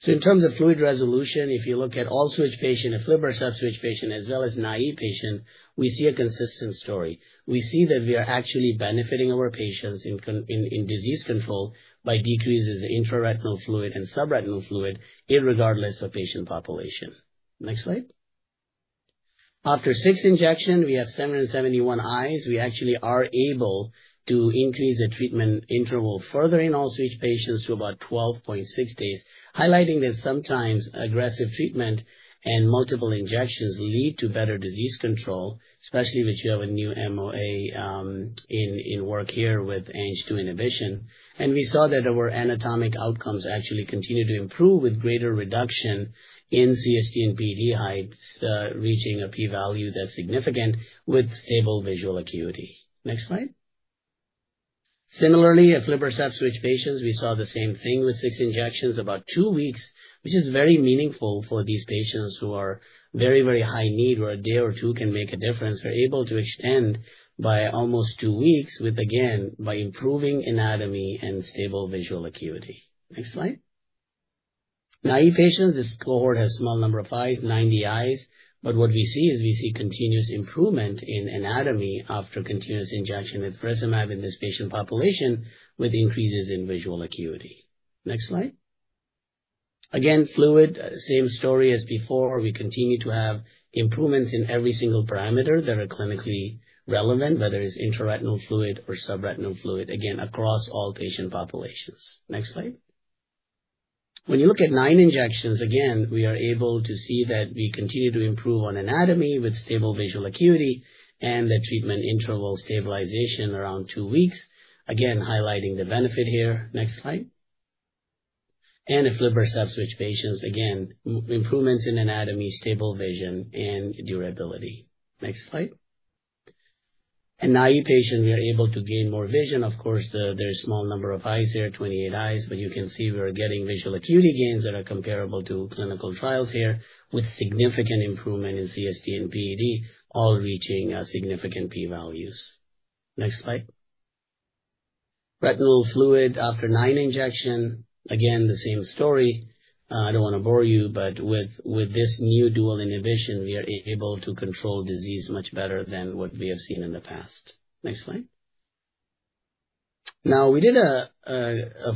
So in terms of fluid resolution, if you look at all switch patients, aflibercept switch patients, as well as naïve patients, we see a consistent story. We see that we are actually benefiting our patients in in disease control by decreases in intraretinal fluid and subretinal fluid, irregardless of patient population. Next slide. After six injections, we have 771 eyes. We actually are able to increase the treatment interval further in all switch patients to about 12.6 days, highlighting that sometimes aggressive treatment and multiple injections lead to better disease control, especially which you have a new MOA, in, in work here with Ang-2 inhibition. And we saw that our anatomic outcomes actually continue to improve with greater reduction in CST and PED heights, reaching a p-value that's significant with stable visual acuity. Next slide. Similarly, aflibercept switch patients, we saw the same thing with 6 injections, about 2 weeks, which is very meaningful for these patients who are very, very high need, where a day or 2 can make a difference. We're able to extend by almost 2 weeks with, again, by improving anatomy and stable visual acuity. Next slide. Naive patients, this cohort has a small number of eyes, 90 eyes, but what we see is we see continuous improvement in anatomy after continuous injection with faricimab in this patient population, with increases in visual acuity. Next slide. Again, fluid, same story as before. We continue to have improvements in every single parameter that are clinically relevant, whether it's intraretinal fluid or subretinal fluid, again, across all patient populations. Next slide. When you look at 9 injections, again, we are able to see that we continue to improve on anatomy with stable visual acuity and the treatment interval stabilization around 2 weeks. Again, highlighting the benefit here. Next slide. Aflibercept switch patients, again, improvements in anatomy, stable vision, and durability. Next slide. In naive patient, we are able to gain more vision. Of course, there's a small number of eyes there, 28 eyes, but you can see we are getting visual acuity gains that are comparable to clinical trials here, with significant improvement in CST and PED, all reaching significant p-values. Next slide. Retinal fluid after 9 injection, again, the same story. I don't want to bore you, but with this new dual inhibition, we are able to control disease much better than what we have seen in the past. Next slide. Now, we did a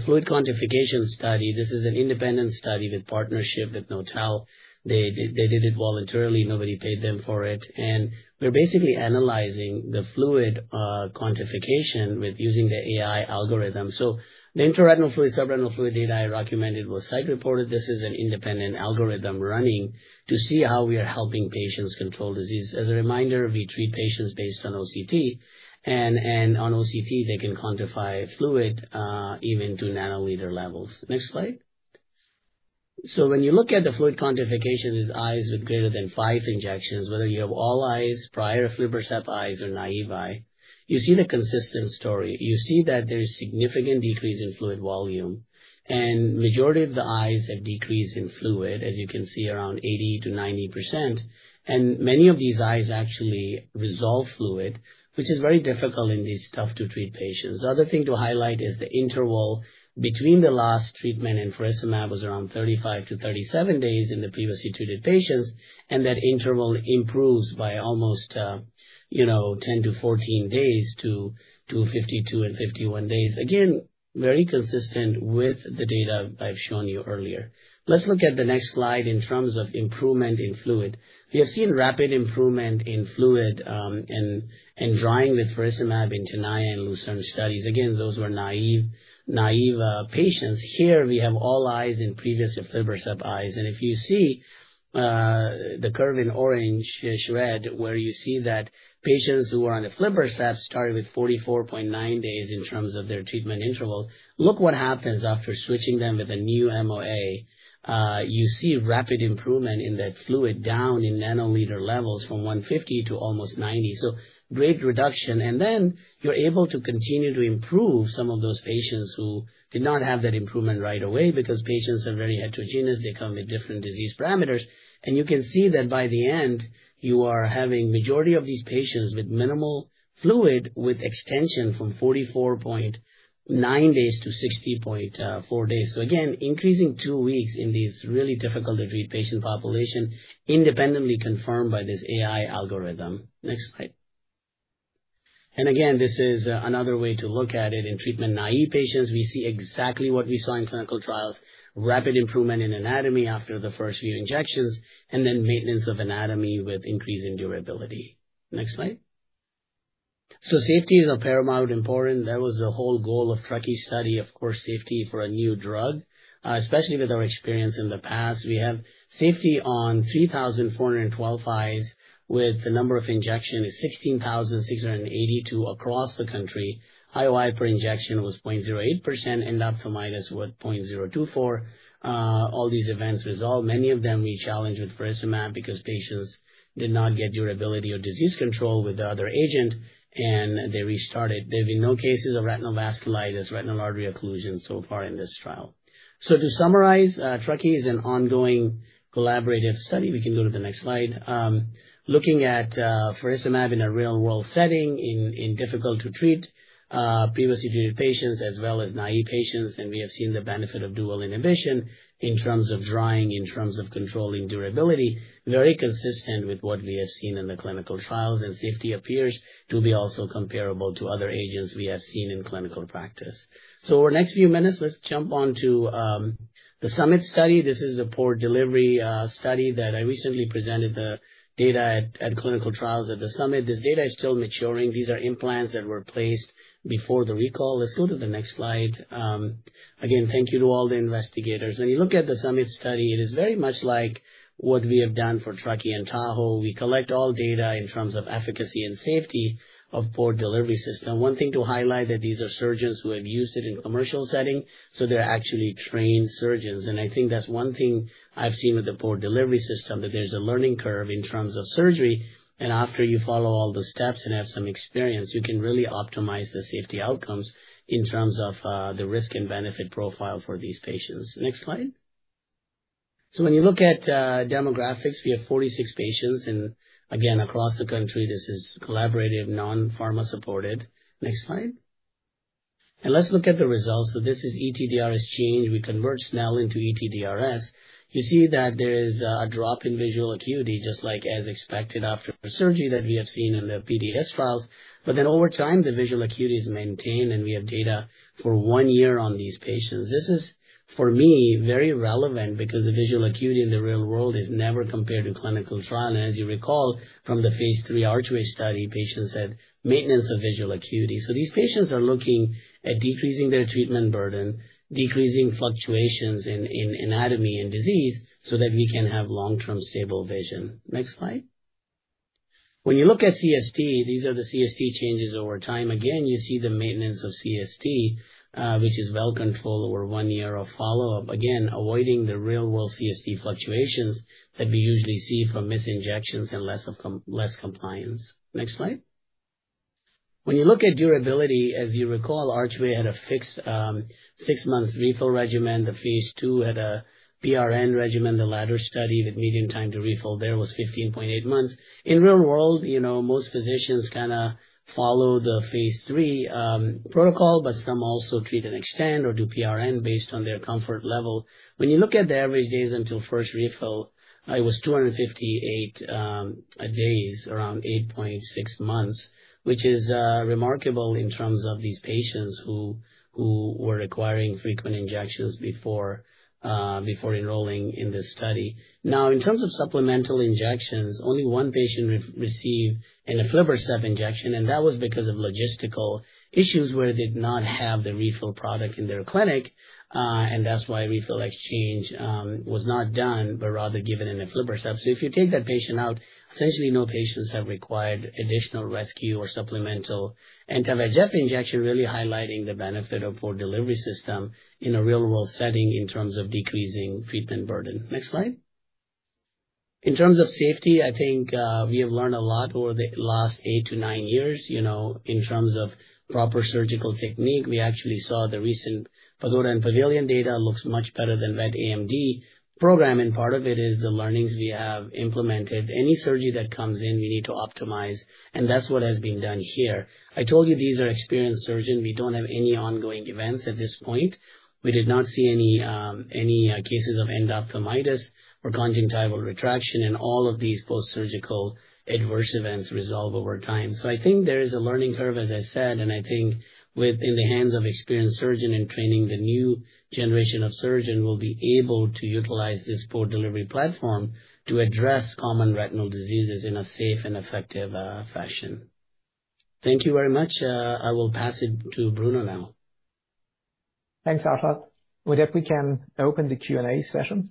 fluid quantification study. This is an independent study with partnership with Notal Vision. They did, they did it voluntarily, nobody paid them for it, and we're basically analyzing the fluid quantification with using the AI algorithm. So the intraretinal fluid, subretinal fluid data I documented was site reported. This is an independent algorithm running to see how we are helping patients control disease. As a reminder, we treat patients based on OCT, and on OCT, they can quantify fluid, even to nanoliter levels. Next slide. So when you look at the fluid quantification, with eyes with greater than 5 injections, whether you have all eyes, prior aflibercept eyes, or naive eye, you see the consistent story. You see that there is significant decrease in fluid volume, and majority of the eyes have decrease in fluid, as you can see, around 80%-90%. And many of these eyes actually resolve fluid.... Which is very difficult in these tough-to-treat patients. The other thing to highlight is the interval between the last treatment, and faricimab was around 35-37 days in the previously treated patients, and that interval improves by almost, you know, ten to fourteen days to fifty-two and fifty-one days. Again, very consistent with the data I've shown you earlier. Let's look at the next slide in terms of improvement in fluid. We have seen rapid improvement in fluid in in drying with faricimab in RHONE-X and LUCERNE studies. Again, those were naive naive patients. Here we have all eyes in previous aflibercept eyes, and if you see the curve in orange is red, where you see that patients who are on the aflibercept started with 44.9 days in terms of their treatment interval. Look what happens after switching them with a new MOA. You see rapid improvement in that fluid, down in nanoliter levels from 150 to almost 90. So great reduction. And then you're able to continue to improve some of those patients who did not have that improvement right away. Because patients are very heterogeneous, they come with different disease parameters, and you can see that by the end, you are having majority of these patients with minimal fluid, with extension from 44.9 days to 60.4 days. So again, increasing two weeks in these really difficult to treat patient population, independently confirmed by this AI algorithm. Next slide. And again, this is another way to look at it. In treatment-naive patients, we see exactly what we saw in clinical trials, rapid improvement in anatomy after the first few injections, and then maintenance of anatomy with increasing durability. Next slide. So safety is of paramount importance. That was the whole goal of Truckee study. Of course, safety for a new drug, especially with our experience in the past. We have safety on 3,412 eyes, with the number of injections is 16,682 across the country. IOI per injection was 0.08%, endophthalmitis was 0.024%. All these events resolved. Many of them we challenged with faricimab because patients did not get durability or disease control with the other agent, and they restarted. There have been no cases of retinal vasculitis, retinal artery occlusion so far in this trial. So to summarize, Truckee is an ongoing collaborative study. We can go to the next slide. Looking at faricimab in a real-world setting, in in difficult to treat previously treated patients as well as naive patients. We have seen the benefit of dual inhibition in terms of drying, in terms of controlling durability, very consistent with what we have seen in the clinical trials, and safety appears to be also comparable to other agents we have seen in clinical practice. So our next few minutes, let's jump on to the Summit study. This is a port delivery study that I recently presented the data at Clinical Trials at the Summit. This data is still maturing. These are implants that were placed before the recall. Let's go to the next slide. Again, thank you to all the investigators. When you look at the Summit study, it is very much like what we have done for Truckee and Tahoe. We collect all data in terms of efficacy and safety of port delivery system. One thing to highlight, that these are surgeons who have used it in a commercial setting, so they're actually trained surgeons. And I think that's one thing I've seen with the port delivery system, that there's a learning curve in terms of surgery, and after you follow all the steps and have some experience, you can really optimize the safety outcomes in terms of the risk and benefit profile for these patients. Next slide. So when you look at demographics, we have 46 patients and again, across the country, this is collaborative, non-pharma supported. Next slide. And let's look at the results. So this is ETDRS change. We convert now into ETDRS. You see that there is a drop in visual acuity, just like as expected after surgery that we have seen in the PDS trials. But then over time, the visual acuity is maintained, and we have data for one year on these patients. This is, for me, very relevant because the visual acuity in the real world is never compared to clinical trial. As you recall from the phase three Archway study, patients had maintenance of visual acuity. So these patients are looking at decreasing their treatment burden, decreasing fluctuations in anatomy and disease, so that we can have long-term stable vision. Next slide. When you look at CST, these are the CST changes over time. Again, you see the maintenance of CST, which is well controlled over one year of follow-up. Again, avoiding the real world CST fluctuations that we usually see from misinjections and less less compliance. Next slide. When you look at durability, as you recall, Archway had a fixed, 6-month refill regimen. The phase 2 had a PRN regimen. The latter studied, the median time to refill there was 15.8 months. In real world, you know, most physicians kind of follow the phase 3 protocol, but some also treat and extend or do PRN based on their comfort level. When you look at the average days until first refill, it was 258 days, around 8.6 months, which is remarkable in terms of these patients who who were requiring frequent injections before, before enrolling in this study. Now, in terms of supplemental injections, only one patient received an aflibercept injection, and that was because of logistical issues where they did not have the refill product in their clinic, and that's why refill exchange was not done, but rather given an aflibercept. So if you take that patient out, essentially no patients have required additional rescue or supplemental anti-VEGF injection, really highlighting the benefit of the Port Delivery System in a real-world setting in terms of decreasing treatment burden. Next slide. In terms of safety, I think, we have learned a lot over the last eight to nine years, you know, in terms of proper surgical technique. We actually saw the recent Pagoda and Pavilion data looks much better than wet AMD program, and part of it is the learnings we have implemented. Any surgery that comes in, we need to optimize, and that's what has been done here. I told you these are experienced surgeons. We don't have any ongoing events at this point. We did not see any any cases of endophthalmitis or conjunctival retraction, and all of these post-surgical adverse events resolve over time. So I think there is a learning curve, as I said, and I think within the hands of experienced surgeon in training, the new generation of surgeon will be able to utilize this Port Delivery platform to address common retinal diseases in a safe and effective fashion. Thank you very much. I will pass it to Bruno now. Thanks, Arshad. With that, we can open the Q&A session.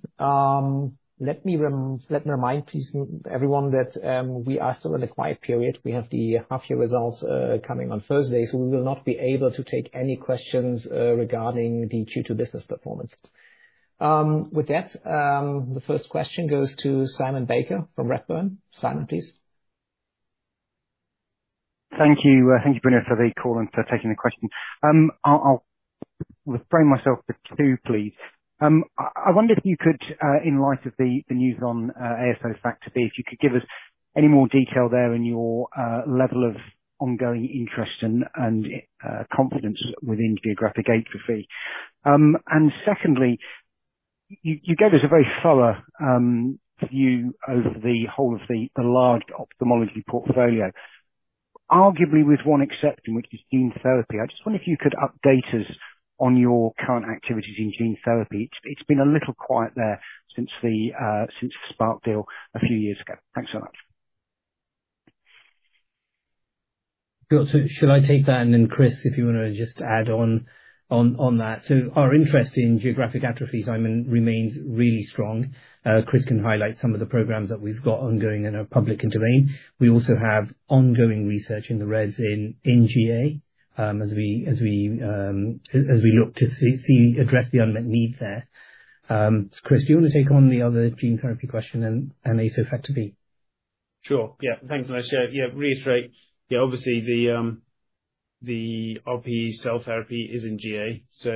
Let me remind please, everyone, that we are still in a quiet period. We have the half year results coming on Thursday, so we will not be able to take any questions regarding the Q2 business performance. With that, the first question goes to Simon Baker from Redburn. Simon, please. Thank you. Thank you, Bruno, for the call and for taking the question. I'll, I'll refrain myself to 2, please. I wonder if you could, in light of the, the news on, ASO Factor B, if you could give us any more detail there in your level of ongoing interest and, and, confidence within geographic atrophy. And secondly, you gave us a very thorough view over the whole of the, the large ophthalmology portfolio, arguably with one exception, which is gene therapy. I just wonder if you could update us on your current activities in gene therapy. It's been a little quiet there since the, since the Spark deal a few years ago. Thanks so much. Sure. So should I take that? And then, Chris, if you wanna just add on on that. So our interest in geographic atrophy, Simon, remains really strong. Chris can highlight some of the programs that we've got ongoing in our public domain. We also have ongoing research in GA as we, as we look to address the unmet needs there. Chris, do you want to take on the other gene therapy question and ASO Factor B? Sure. Yeah. Thanks so much. Yeah, reiterate, yeah, obviously the the RPE cell therapy is in GA, so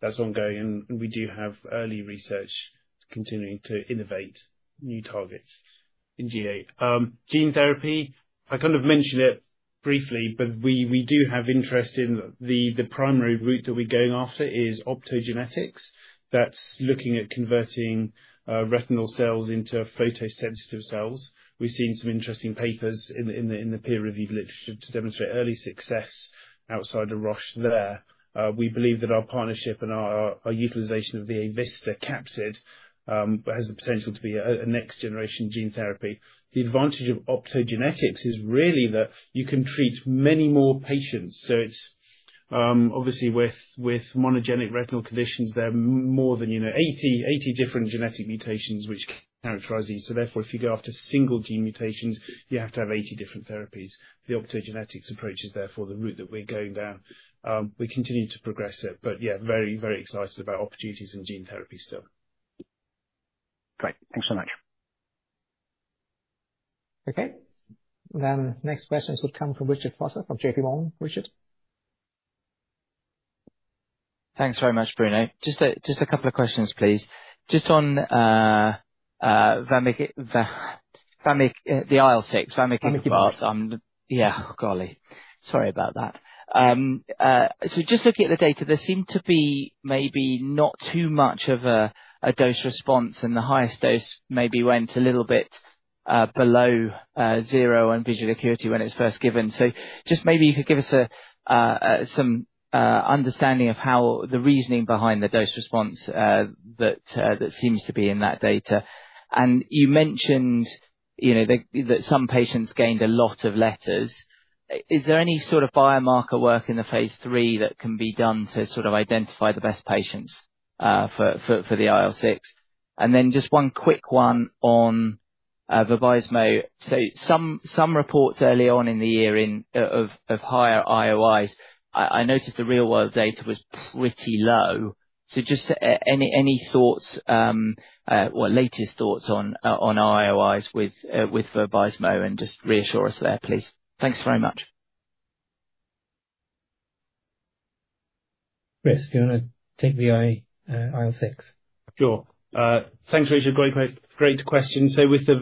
that's ongoing, and we do have early research continuing to innovate new targets in GA. Gene therapy, I kind of mentioned it briefly, but we do have interest in the primary route that we're going after is optogenetics. That's looking at converting retinal cells into photosensitive cells. We've seen some interesting papers in the peer review literature to demonstrate early success outside of Roche there. We believe that our partnership and our utilization of the Avista capsid has the potential to be a next generation gene therapy. The advantage of optogenetics is really that you can treat many more patients. So it's obviously, with with monogenic retinal conditions, there are more than, you know, 80 different genetic mutations which characterize these. So therefore, if you go after single gene mutations, you have to have 80 different therapies. The optogenetics approach is therefore the route that we're going down. We continue to progress it, but yeah, very, very excited about opportunities in gene therapy still. Great. Thanks so much. Okay. Then next questions would come from Richard Vosser from J.P. Morgan. Richard? Thanks very much, Bruno. Just a couple of questions, please. Just on vamicibart, the IL-6, vamicibart. Yeah, golly. Sorry about that. So just looking at the data, there seemed to be maybe not too much of a a dose response, and the highest dose maybe went a little bit below zero on visual acuity when it was first given. So just maybe you could give us some understanding of how the reasoning behind the dose response that seems to be in that data. And you mentioned, you know, that some patients gained a lot of letters. Is there any sort of biomarker work in the phase three that can be done to sort of identify the best patients for for the IL-6? And then just one quick one on Vabysmo. So some some reports early on in the year of higher IOIs, I noticed the real world data was pretty low. So just any thoughts or latest thoughts on IOIs with with Vabysmo, and just reassure us there, please. Thanks very much. Chris, do you want to take the IL-6? Sure. Thanks, Richard. Very great, great question. So with the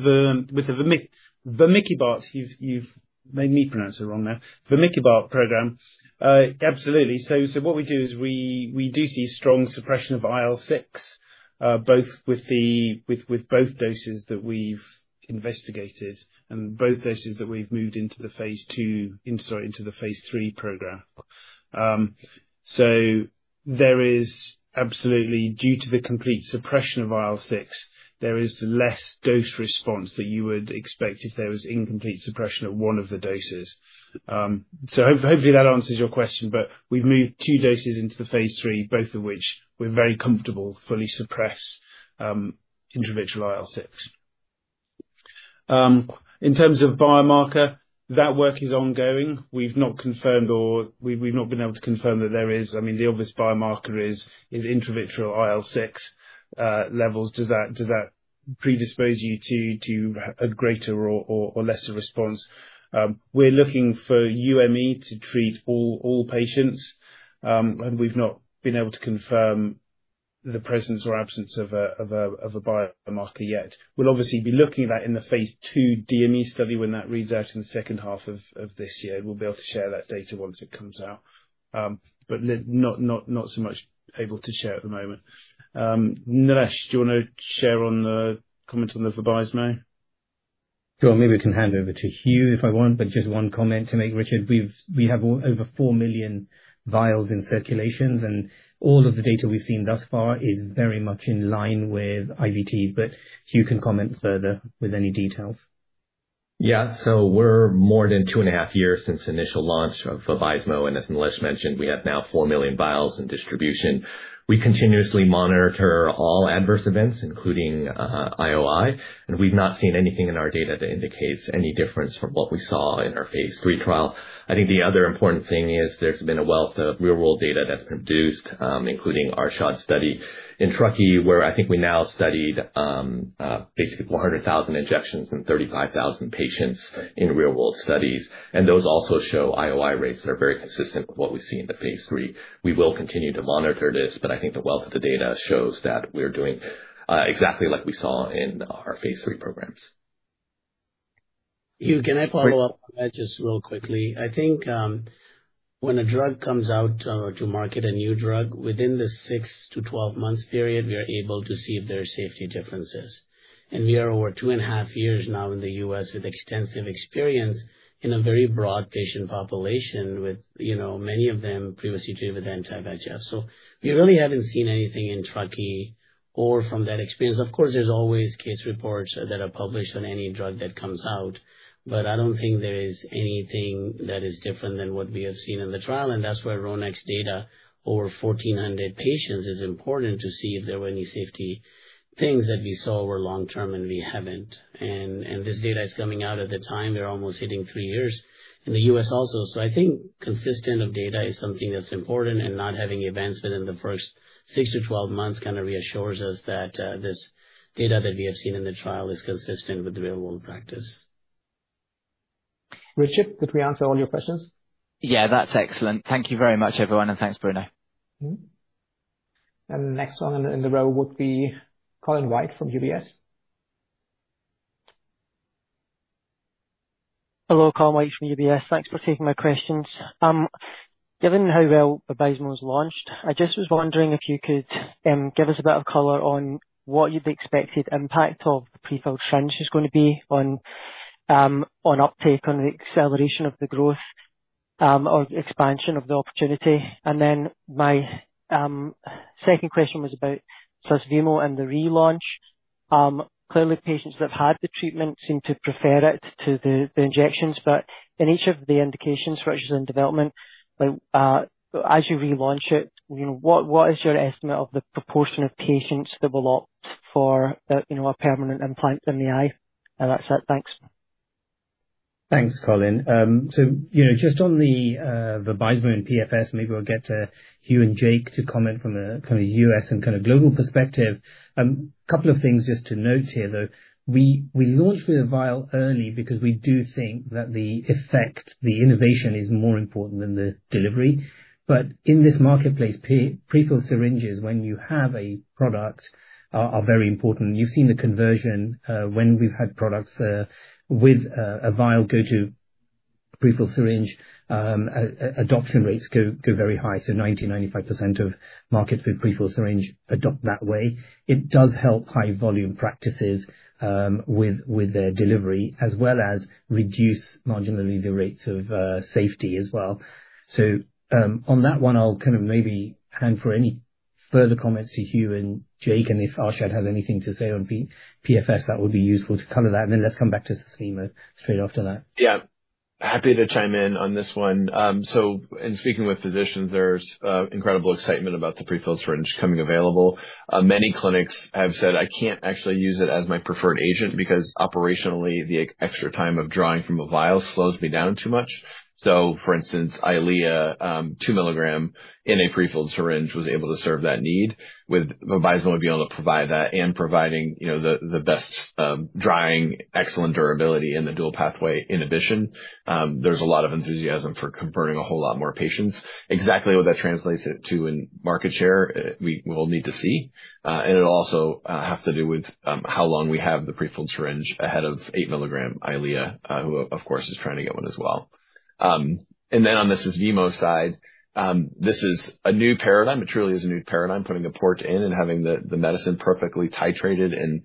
vamicibart, you've you've made me pronounce it wrong now. Vamikibart program, absolutely. So what we do is we we do see strong suppression of IL-6, both with the, with both doses that we've investigated and both doses that we've moved into the phase 2, I'm sorry, into the phase 3 program. So there is absolutely, due to the complete suppression of IL-6, there is less dose response than you would expect if there was incomplete suppression at one of the doses. So hopefully that answers your question, but we've moved 2 doses into the phase 3, both of which we're very comfortable fully suppress intraocular IL-6. In terms of biomarker, that work is ongoing. We've not been able to confirm that there is—I mean, the obvious biomarker is intravitreal IL-6 levels. Does that predispose you to to a greater or lesser response? We're looking for UME to treat all all patients, and we've not been able to confirm the presence or absence of a, of a biomarker yet. We'll obviously be looking at that in the phase 2 DME study when that reads out in the second half of of this year. We'll be able to share that data once it comes out. But not not not so much able to share at the moment. Nilesh, do you want to share on the comment on the Vabysmo? Sure. Maybe we can hand over to Yu if I want, but just one comment to make, Richard. We've, we have over 4 million vials in circulation, and all of the data we've seen thus far is very much in line with IVTs, but Yu can comment further with any details. Yeah. So we're more than two and a half years since initial launch of Vabysmo, and as Nilesh mentioned, we have now 4 million vials in distribution. We continuously monitor all adverse events, including, IOI, and we've not seen anything in our data that indicates any difference from what we saw in our phase 3 trial. I think the other important thing is there's been a wealth of real world data that's produced, including Arshad's study in Truckee, where I think we now studied, basically 400,000 injections in 35,000 patients in real world studies. And those also show IOI rates that are very consistent with what we see in the phase 3. We will continue to monitor this, but I think the wealth of the data shows that we're doing, exactly like we saw in our phase 3 programs. Yu, can I follow up on that just real quickly? I think, when a drug comes out to market a new drug, within the 6- to 12-month period, we are able to see if there are safety differences. And we are over 2.5 years now in the U.S., with extensive experience in a very broad patient population, with, you know, many of them previously treated with anti-VEGF. So we really haven't seen anything in Truckee or from that experience. Of course, there's always case reports that are published on any drug that comes out, but I don't think there is anything that is different than what we have seen in the trial, and that's why RHONE-X data over 1,400 patients is important to see if there were any safety things that we saw were long-term, and we haven't. And and this data is coming out at the time we're almost hitting three years in the U.S. also. So I think consistent of data is something that's important, and not having events within the first six to 12 months kind of reassures us that this data that we have seen in the trial is consistent with the real-world practice. Richard, did we answer all your questions? Yeah, that's excellent. Thank you very much, everyone, and thanks, Bruno. Mm-hmm. Next one in, in the row would be Colin White from UBS. Hello, Colin White from UBS. Thanks for taking my questions. Given how well Vabysmo was launched, I just was wondering if you could give us a bit of color on what you'd expected impact of the prefill syringe is going to be on on uptake, on the acceleration of the growth or the expansion of the opportunity. And then my second question was about Susvimo and the relaunch. Clearly, patients that have had the treatment seem to prefer it to the injections, but in each of the indications for which it's in development, like as you relaunch it, you know, what is your estimate of the proportion of patients that will opt for the, you know, a permanent implant in the eye? That's it. Thanks. Thanks, Colin. So, you know, just on the Vabysmo and PFS, maybe we'll get to Yu and Jake to comment from a kind of US and kind of global perspective. Couple of things just to note here, though. We we launched with a vial early because we do think that the effect, the innovation, is more important than the delivery. But in this marketplace, prefilled syringes, when you have a product, are very important. You've seen the conversion when we've had products with a vial go to prefilled syringe, adoption rates go very high. So 90%-95% of markets with prefilled syringe adopt that way. It does help high volume practices with their delivery, as well as reduce marginally the rates of safety as well. So, on that one, I'll kind of maybe hand for any further comments to Yu and Jake, and if Arshad has anything to say on P- PFS, that would be useful to cover that, and then let's come back to Susvimo straight after that. Yeah. Happy to chime in on this one. So in speaking with physicians, there's incredible excitement about the prefilled syringe coming available. Many clinics have said, "I can't actually use it as my preferred agent because operationally, the extra time of drawing from a vial slows me down too much." So, for instance, Eylea 2 mg in a prefilled syringe was able to serve that need. With Vabysmo being able to provide that and providing, you know, the best drying, excellent durability in the dual pathway inhibition, there's a lot of enthusiasm for converting a whole lot more patients. Exactly what that translates it to in market share, we, we'll need to see. And it'll also have to do with how long we have the prefilled syringe ahead of 8 mg Eylea, who, of course, is trying to get one as well. And then on the Susvimo side, this is a new paradigm. It truly is a new paradigm, putting the port in and having the medicine perfectly titrated and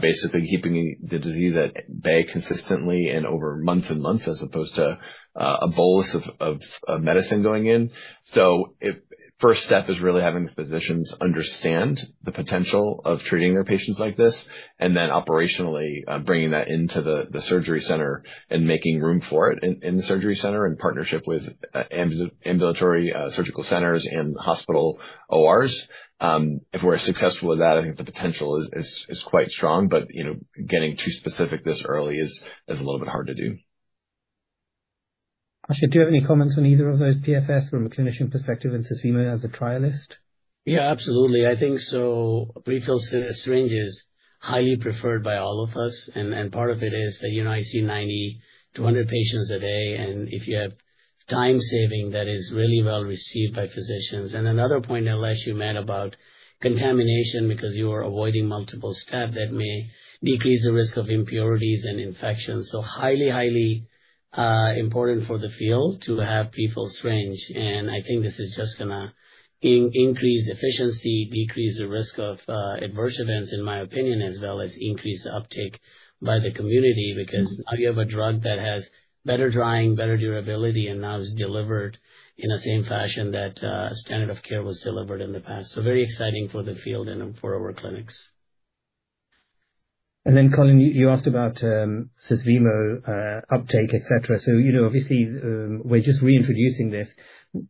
basically keeping the disease at bay consistently and over months and months, as opposed to a bolus of medicine going in. So it. First step is really having the physicians understand the potential of treating their patients like this, and then operationally bringing that into the surgery center and making room for it in the surgery center, in partnership with ambulatory surgical centers and hospital ORs. If we're successful with that, I think the potential is quite strong, but, you know, getting too specific this early is a little bit hard to do. As do you have any comments on either of those PFS from a clinician perspective and Susvimo as a trialist? Yeah, absolutely. I think the prefilled syringe is highly preferred by all of us. And part of it is that, you know, I see 90 to 100 patients a day, and if you have time saving, that is really well received by physicians. And another point that Nilesh, you made about contamination, because you are avoiding multiple stab, that may decrease the risk of impurities and infections. So highly, highly important for the field to have prefilled syringe. And I think this is just gonna increase efficiency, decrease the risk of adverse events, in my opinion, as well as increase the uptake by the community. Because now you have a drug that has better drying, better durability, and now is delivered in the same fashion that standard of care was delivered in the past. So very exciting for the field and for our clinics. And then, Colin, you asked about Susvimo uptake, et cetera. So, you know, obviously, we're just reintroducing this.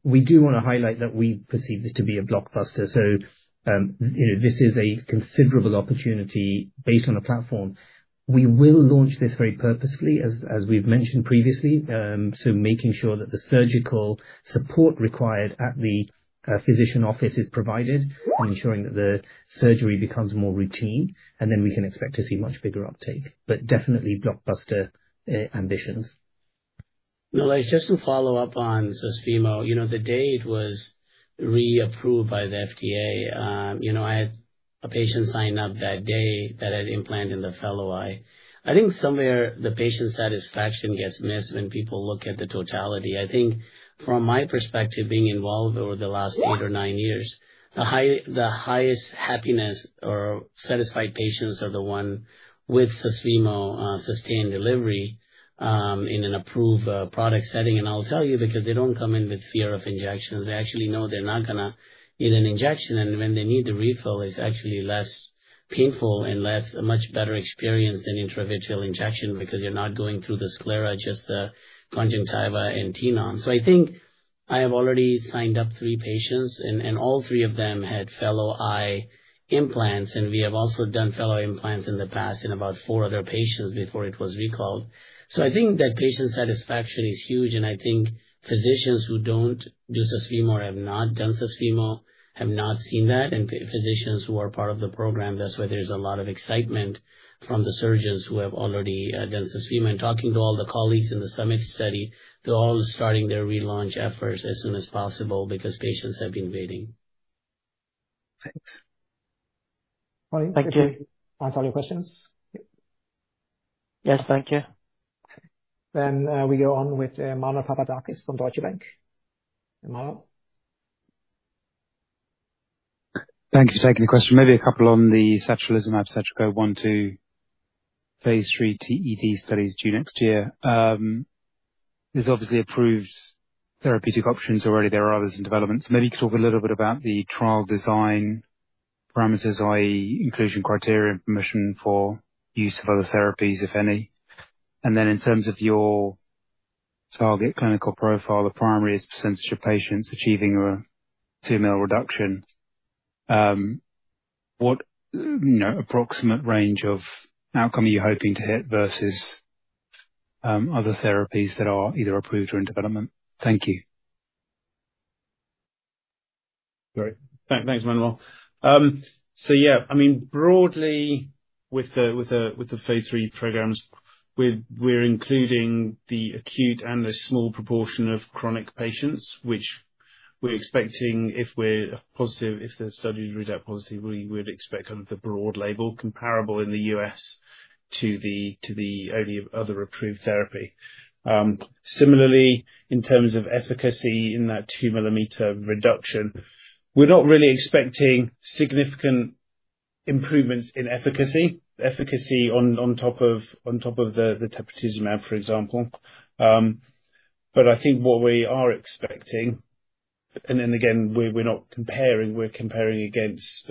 We do wanna highlight that we perceive this to be a blockbuster. So, you know, this is a considerable opportunity based on a platform. We will launch this very purposefully, as we've mentioned previously. So making sure that the surgical support required at the, at the physician office is provided, ensuring that the surgery becomes more routine, and then we can expect to see much bigger uptake. But definitely blockbuster ambitions. Well, just to follow up on Susvimo, you know, the day it was reapproved by the FDA, you know, I had a patient sign up that day that had implant in the fellow eye. I think somewhere the patient satisfaction gets missed when people look at the totality. I think from my perspective, being involved over the last eight or nine years, the highest happiness or satisfied patients are the one with Susvimo, sustained delivery, in an approved product setting. And I'll tell you, because they don't come in with fear of injections. They actually know they're not gonna get an injection, and when they need the refill, it's actually less painful and less... a much better experience than intravitreal injection, because you're not going through the sclera, just the conjunctiva and Tenon. So I think I have already signed up three patients, and, and all three of them had fellow eye implants, and we have also done fellow implants in the past in about four other patients before it was recalled. So I think that patient satisfaction is huge, and I think physicians who don't do Susvimo or have not done Susvimo have not seen that, and physicians who are part of the program, that's why there's a lot of excitement from the surgeons who have already done Susvimo. And talking to all the colleagues in the SUMMIT study, they're all starting their relaunch efforts as soon as possible because patients have been waiting. Thanks. Thank you. Answer all your questions? Yes, thank you. Then, we go on with Emmanuel Papadakis from Deutsche Bank. Emmanuel? Thank you for taking the question. Maybe a couple on the satralizumab, SatraGO 1, 2, phase 3 TED studies due next year. There's obviously approved therapeutic options already. There are others in development. So maybe talk a little bit about the trial design parameters, i.e., inclusion criteria, information for use of other therapies, if any. And then in terms of your target clinical profile, the primary is percentage of patients achieving a 2 mm reduction. What, you know, approximate range of outcome are you hoping to hit versus other therapies that are either approved or in development? Thank you. Great. Thanks, Emmanuel. So yeah, I mean, broadly, with the, with the phase 3 programs, we're including the acute and the small proportion of chronic patients, which we're expecting, if the study read out positive, we would expect kind of the broad label, comparable in the US to the only other approved therapy. Similarly, in terms of efficacy in that 2 mm reduction, we're not really expecting significant improvements in efficacy. efficacy on on top, on top of the teprotumumab, for example. But I think what we are expecting, and then again, we're not comparing, we're comparing against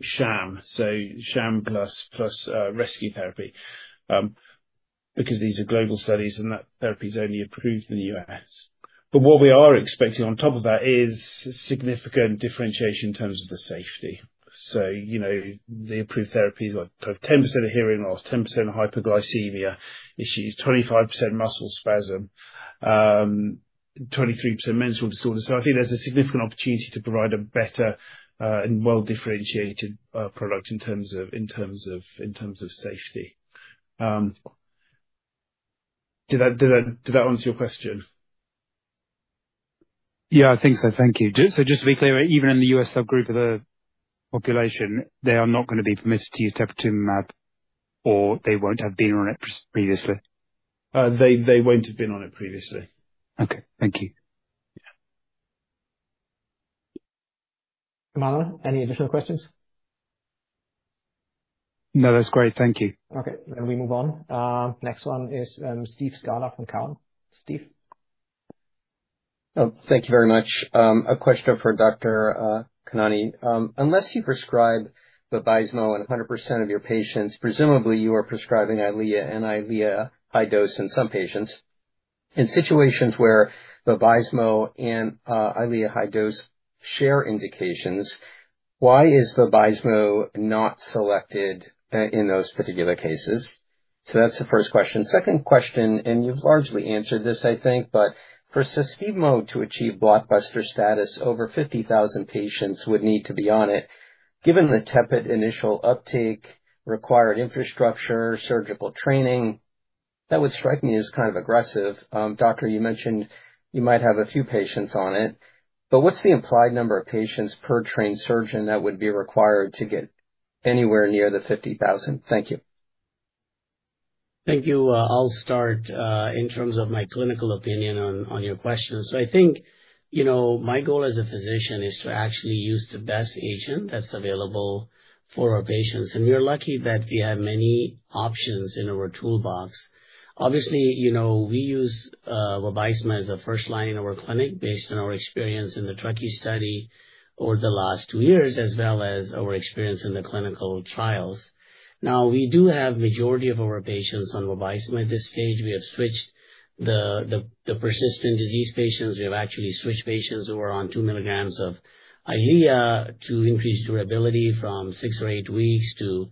sham. So sham plus plus rescue therapy, because these are global studies, and that therapy is only approved in the US. But what we are expecting on top of that is significant differentiation in terms of the safety. So, you know, the approved therapy is like 10% of hearing loss, 10% hypoglycemia issues, 25% muscle spasm, 23% mental disorder. So I think there's a significant opportunity to provide a better, and well-differentiated, product in terms of, in terms of, interms of safety. Did that answer your question? Yeah, I think so. Thank you. Just, so just to be clear, even in the U.S. subgroup of the population, they are not gonna be permitted to use teprotumumab, or they won't have been on it previously? They they won't have been on it previously. Okay, thank you. Emmanuel, any additional questions? No, that's great. Thank you. Okay, then we move on. Next one is, Steve Scala from Cowen. Steve? Oh, thank you very much. A question for Dr. Khanani. Unless you prescribe Vabysmo in 100% of your patients, presumably you are prescribing Eylea and Eylea high dose in some patients. In situations where Vabysmo and Eylea high dose-... share indications, why is Vabysmo not selected in those particular cases? So that's the first question. Second question, and you've largely answered this, I think, but for Susvimo to achieve blockbuster status, over 50,000 patients would need to be on it. Given the tepid initial uptake, required infrastructure, surgical training, that would strike me as kind of aggressive. Doctor, you mentioned you might have a few patients on it, but what's the implied number of patients per trained surgeon that would be required to get anywhere near the 50,000? Thank you. Thank you. I'll start in terms of my clinical opinion on on your questions. So I think, you know, my goal as a physician is to actually use the best agent that's available for our patients, and we are lucky that we have many options in our toolbox. Obviously, you know, we use Vabysmo as a first line in our clinic based on our experience in the Truckee study over the last 2 years, as well as our experience in the clinical trials. Now, we do have majority of our patients on Vabysmo at this stage. We have switched the the persistent disease patients. We have actually switched patients who are on 2 milligrams of Eylea to increase durability from 6 or 8 weeks to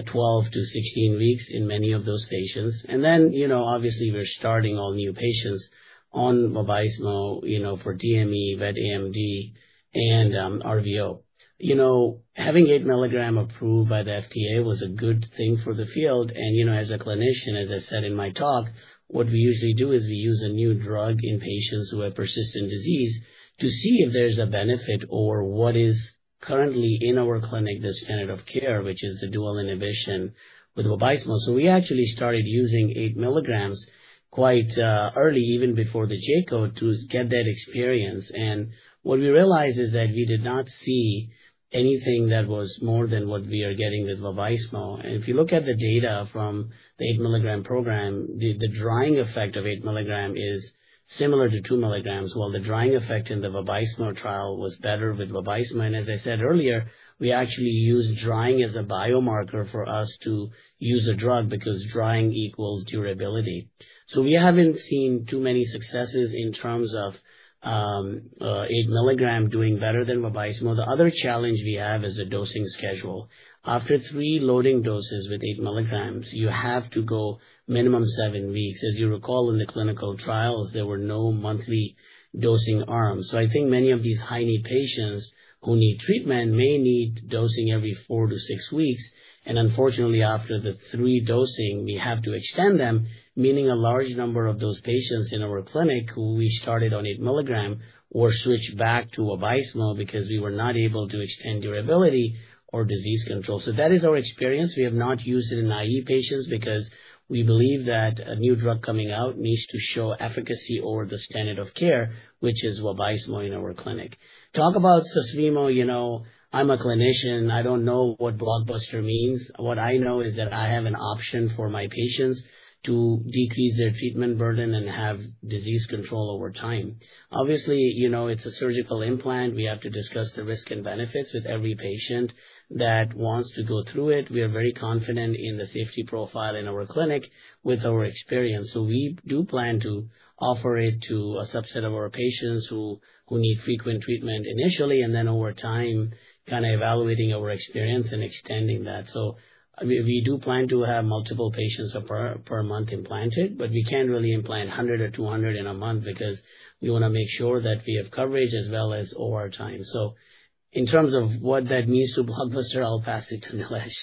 12-16 weeks in many of those patients. And then, you know, obviously we're starting all new patients on Vabysmo, you know, for DME, wet AMD, and RVO. You know, having 8 milligram approved by the FDA was a good thing for the field, and you know, as a clinician, as I said in my talk, what we usually do is we use a new drug in patients who have persistent disease to see if there's a benefit or what is currently in our clinic, the standard of care, which is the dual inhibition with Vabysmo. So we actually started using 8 milligrams quite early, even before the J-code, to get that experience. And what we realized is that we did not see anything that was more than what we are getting with Vabysmo. If you look at the data from the 8-milligram program, the drying effect of 8 mg is similar to 2 mg, while the drying effect in the Vabysmo trial was better with Vabysmo. And as I said earlier, we actually use drying as a biomarker for us to use a drug, because drying equals durability. So we haven't seen too many successes in terms of 8 mg doing better than Vabysmo. The other challenge we have is the dosing schedule. After three loading doses with 8 mg, you have to go minimum seven weeks. As you recall, in the clinical trials, there were no monthly dosing arms. So I think many of these high-need patients who need treatment may need dosing every 4-6 weeks, and unfortunately, after the 3 dosing, we have to extend them, meaning a large number of those patients in our clinic who we started on 8 milligram were switched back to Vabysmo because we were not able to extend durability or disease control. So that is our experience. We have not used it in DME patients because we believe that a new drug coming out needs to show efficacy over the standard of care, which is Vabysmo in our clinic. Talk about Susvimo, you know, I'm a clinician, I don't know what blockbuster means. What I know is that I have an option for my patients to decrease their treatment burden and have disease control over time. Obviously, you know, it's a surgical implant. We have to discuss the risk and benefits with every patient that wants to go through it. We are very confident in the safety profile in our clinic with our experience. So we do plan to offer it to a subset of our patients who need frequent treatment initially, and then over time, kind of evaluating our experience and extending that. So we do plan to have multiple patients per per month implanted, but we can't really implant 100 or 200 in a month because we want to make sure that we have coverage as well as over time. So in terms of what that means to blockbuster, I'll pass it to Nilesh.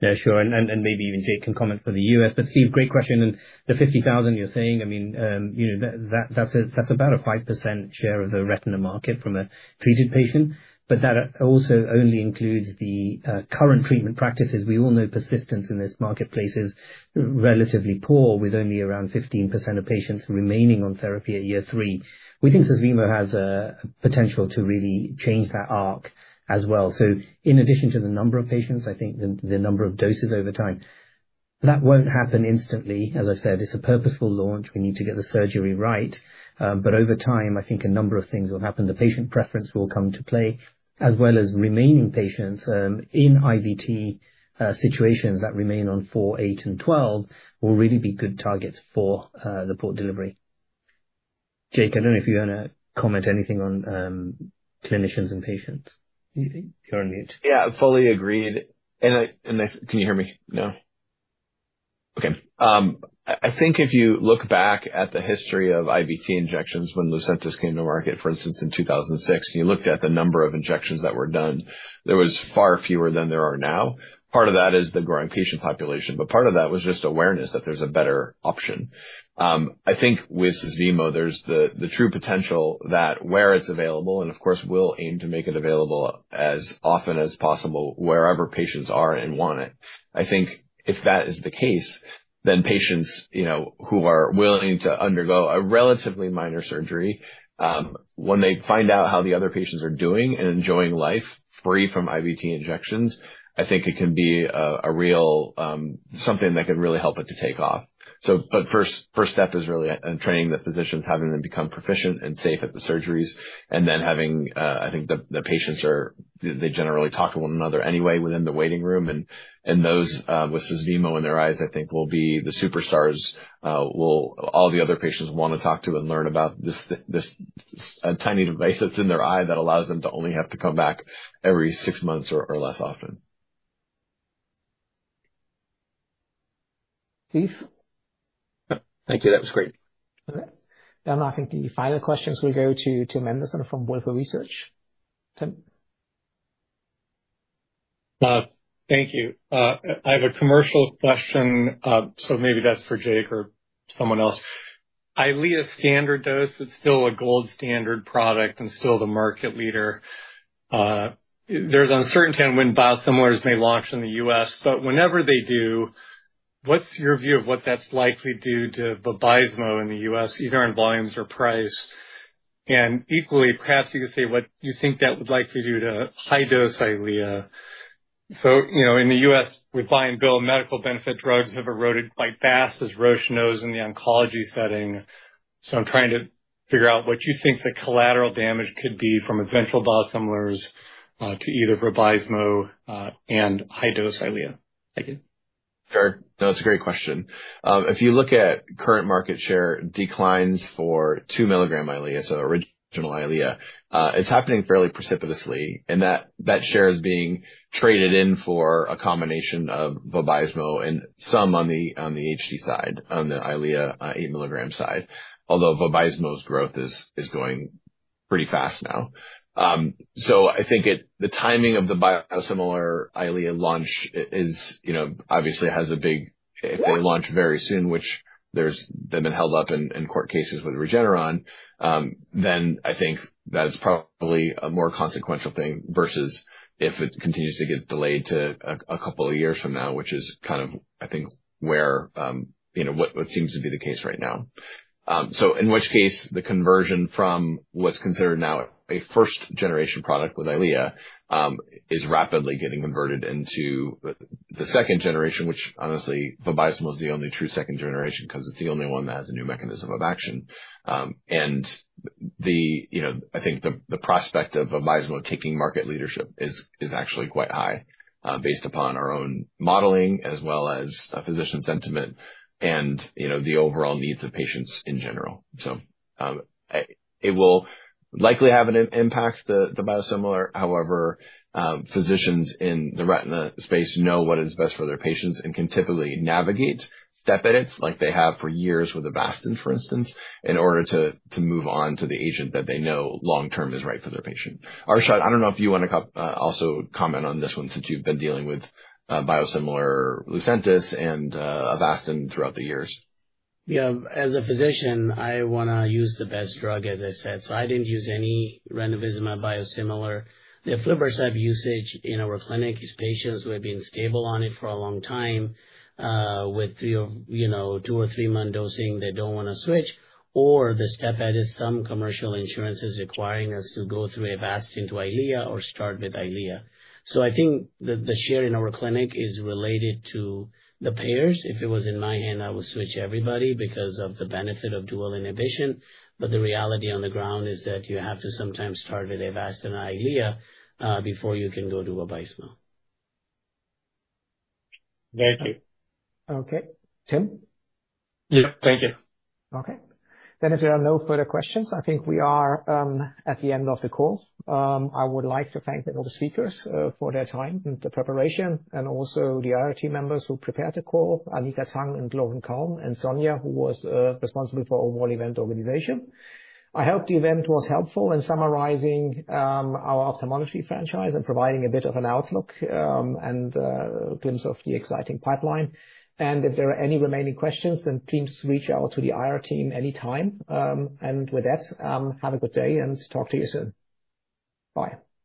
Yeah, sure, maybe even Jake can comment for the US, but Steve, great question. The 50,000 you're saying, I mean, you know, that's about a 5% share of the retina market from a treated patient, but that also only includes the current treatment practices. We all know persistence in this marketplace is relatively poor, with only around 15% of patients remaining on therapy at year three. We think Susvimo has a potential to really change that arc as well. So in addition to the number of patients, I think the number of doses over time. That won't happen instantly. As I said, it's a purposeful launch. We need to get the surgery right. But over time, I think a number of things will happen. The patient preference will come to play, as well as remaining patients in IVT situations that remain on 4, 8, and 12 will really be good targets for the port delivery. Jake, I don't know if you want to comment anything on on clinicians and patients. Anything? You're on mute. Yeah, fully agreed. Can you hear me? No. Okay. I think if you look back at the history of IVT injections when Lucentis came to market, for instance, in 2006, you looked at the number of injections that were done, there was far fewer than there are now. Part of that is the growing patient population, but part of that was just awareness that there's a better option. I think with Susvimo, there's the true potential that where it's available, and of course, we'll aim to make it available as often as possible wherever patients are and want it. I think if that is the case, then patients, you know, who are willing to undergo a relatively minor surgery, when they find out how the other patients are doing and enjoying life free from IVT injections, I think it can be a real something that could really help it to take off. So but first, first step is really on training the physicians, having them become proficient and safe at the surgeries, and then having, I think the patients are- They generally talk to one another anyway within the waiting room, and those with Susvimo in their eyes, I think will be the superstars, will, All the other patients will want to talk to and learn about this tiny device that's in their eye that allows them to only have to come back every six months or less often. Steve? Thank you. That was great. Okay, then I think the final questions will go to Tim Anderson from Wolfe Research. Tim? Thank you. I have a commercial question, so maybe that's for Jake or someone else. Eylea standard dose is still a gold standard product and still the market leader. There's uncertainty on when biosimilars may launch in the US, but whenever they do, what's your view of what that's likely due to Vabysmo in the US, either in volumes or price? And equally, perhaps you could say what you think that would likely do to high-dose Eylea. So, you know, in the US, we buy and bill medical benefit drugs have eroded quite fast, as Roche knows in the oncology setting. So I'm trying to figure out what you think the collateral damage could be from eventual biosimilars, to either Vabysmo, and high-dose Eylea. Thank you. Sure. No, that's a great question. If you look at current market share declines for 2 milligram Eylea, so original Eylea, it's happening fairly precipitously, and that share is being traded in for a combination of Vabysmo and some on the HD side, on the Eylea 8 milligram side. Although Vabysmo's growth is going pretty fast now. So I think the timing of the biosimilar Eylea launch is, you know, obviously has a big. If they launch very soon, which there's, they've been held up in court cases with Regeneron, then I think that's probably a more consequential thing, versus if it continues to get delayed to a couple of years from now, which is kind of, I think, where, you know, what seems to be the case right now. So in which case, the conversion from what's considered now a first-generation product with Eylea is rapidly getting converted into the second generation, which honestly, Vabysmo is the only true second generation, 'cause it's the only one that has a new mechanism of action. And you know, I think the prospect of Vabysmo taking market leadership is actually quite high, based upon our own modeling as well as physician sentiment and, you know, the overall needs of patients in general. So it will likely have an impact, the biosimilar. However, physicians in the retina space know what is best for their patients and can typically navigate step edits like they have for years with Avastin, for instance, in order to move on to the agent that they know long-term is right for their patient. Arshad, I don't know if you want to also comment on this one, since you've been dealing with biosimilar Lucentis and Avastin throughout the years. Yeah. As a physician, I wanna use the best drug, as I said. So I didn't use any ranibizumab biosimilar. The aflibercept usage in our clinic is patients who have been stable on it for a long time, with 2-, you know, 2- or 3-month dosing; they don't wanna switch, or the step edit; some commercial insurance is requiring us to go through Avastin to Eylea or start with Eylea. So I think the share in our clinic is related to the payers. If it was in my hand, I would switch everybody because of the benefit of dual inhibition, but the reality on the ground is that you have to sometimes start with Avastin and Eylea before you can go to Vabysmo. Thank you. Okay. Tim? Yeah. Thank you. Okay. Then if there are no further questions, I think we are at the end of the call. I would like to thank all the speakers for their time and the preparation, and also the IR team members who prepared the call, Anita Tang and Loren Kalm, and Sonja, who was responsible for overall event organization. I hope the event was helpful in summarizing our ophthalmology franchise and providing a bit of an outlook, and glimpse of the exciting pipeline. If there are any remaining questions, then please reach out to the IR team anytime. And with that, have a good day, and talk to you soon. Bye.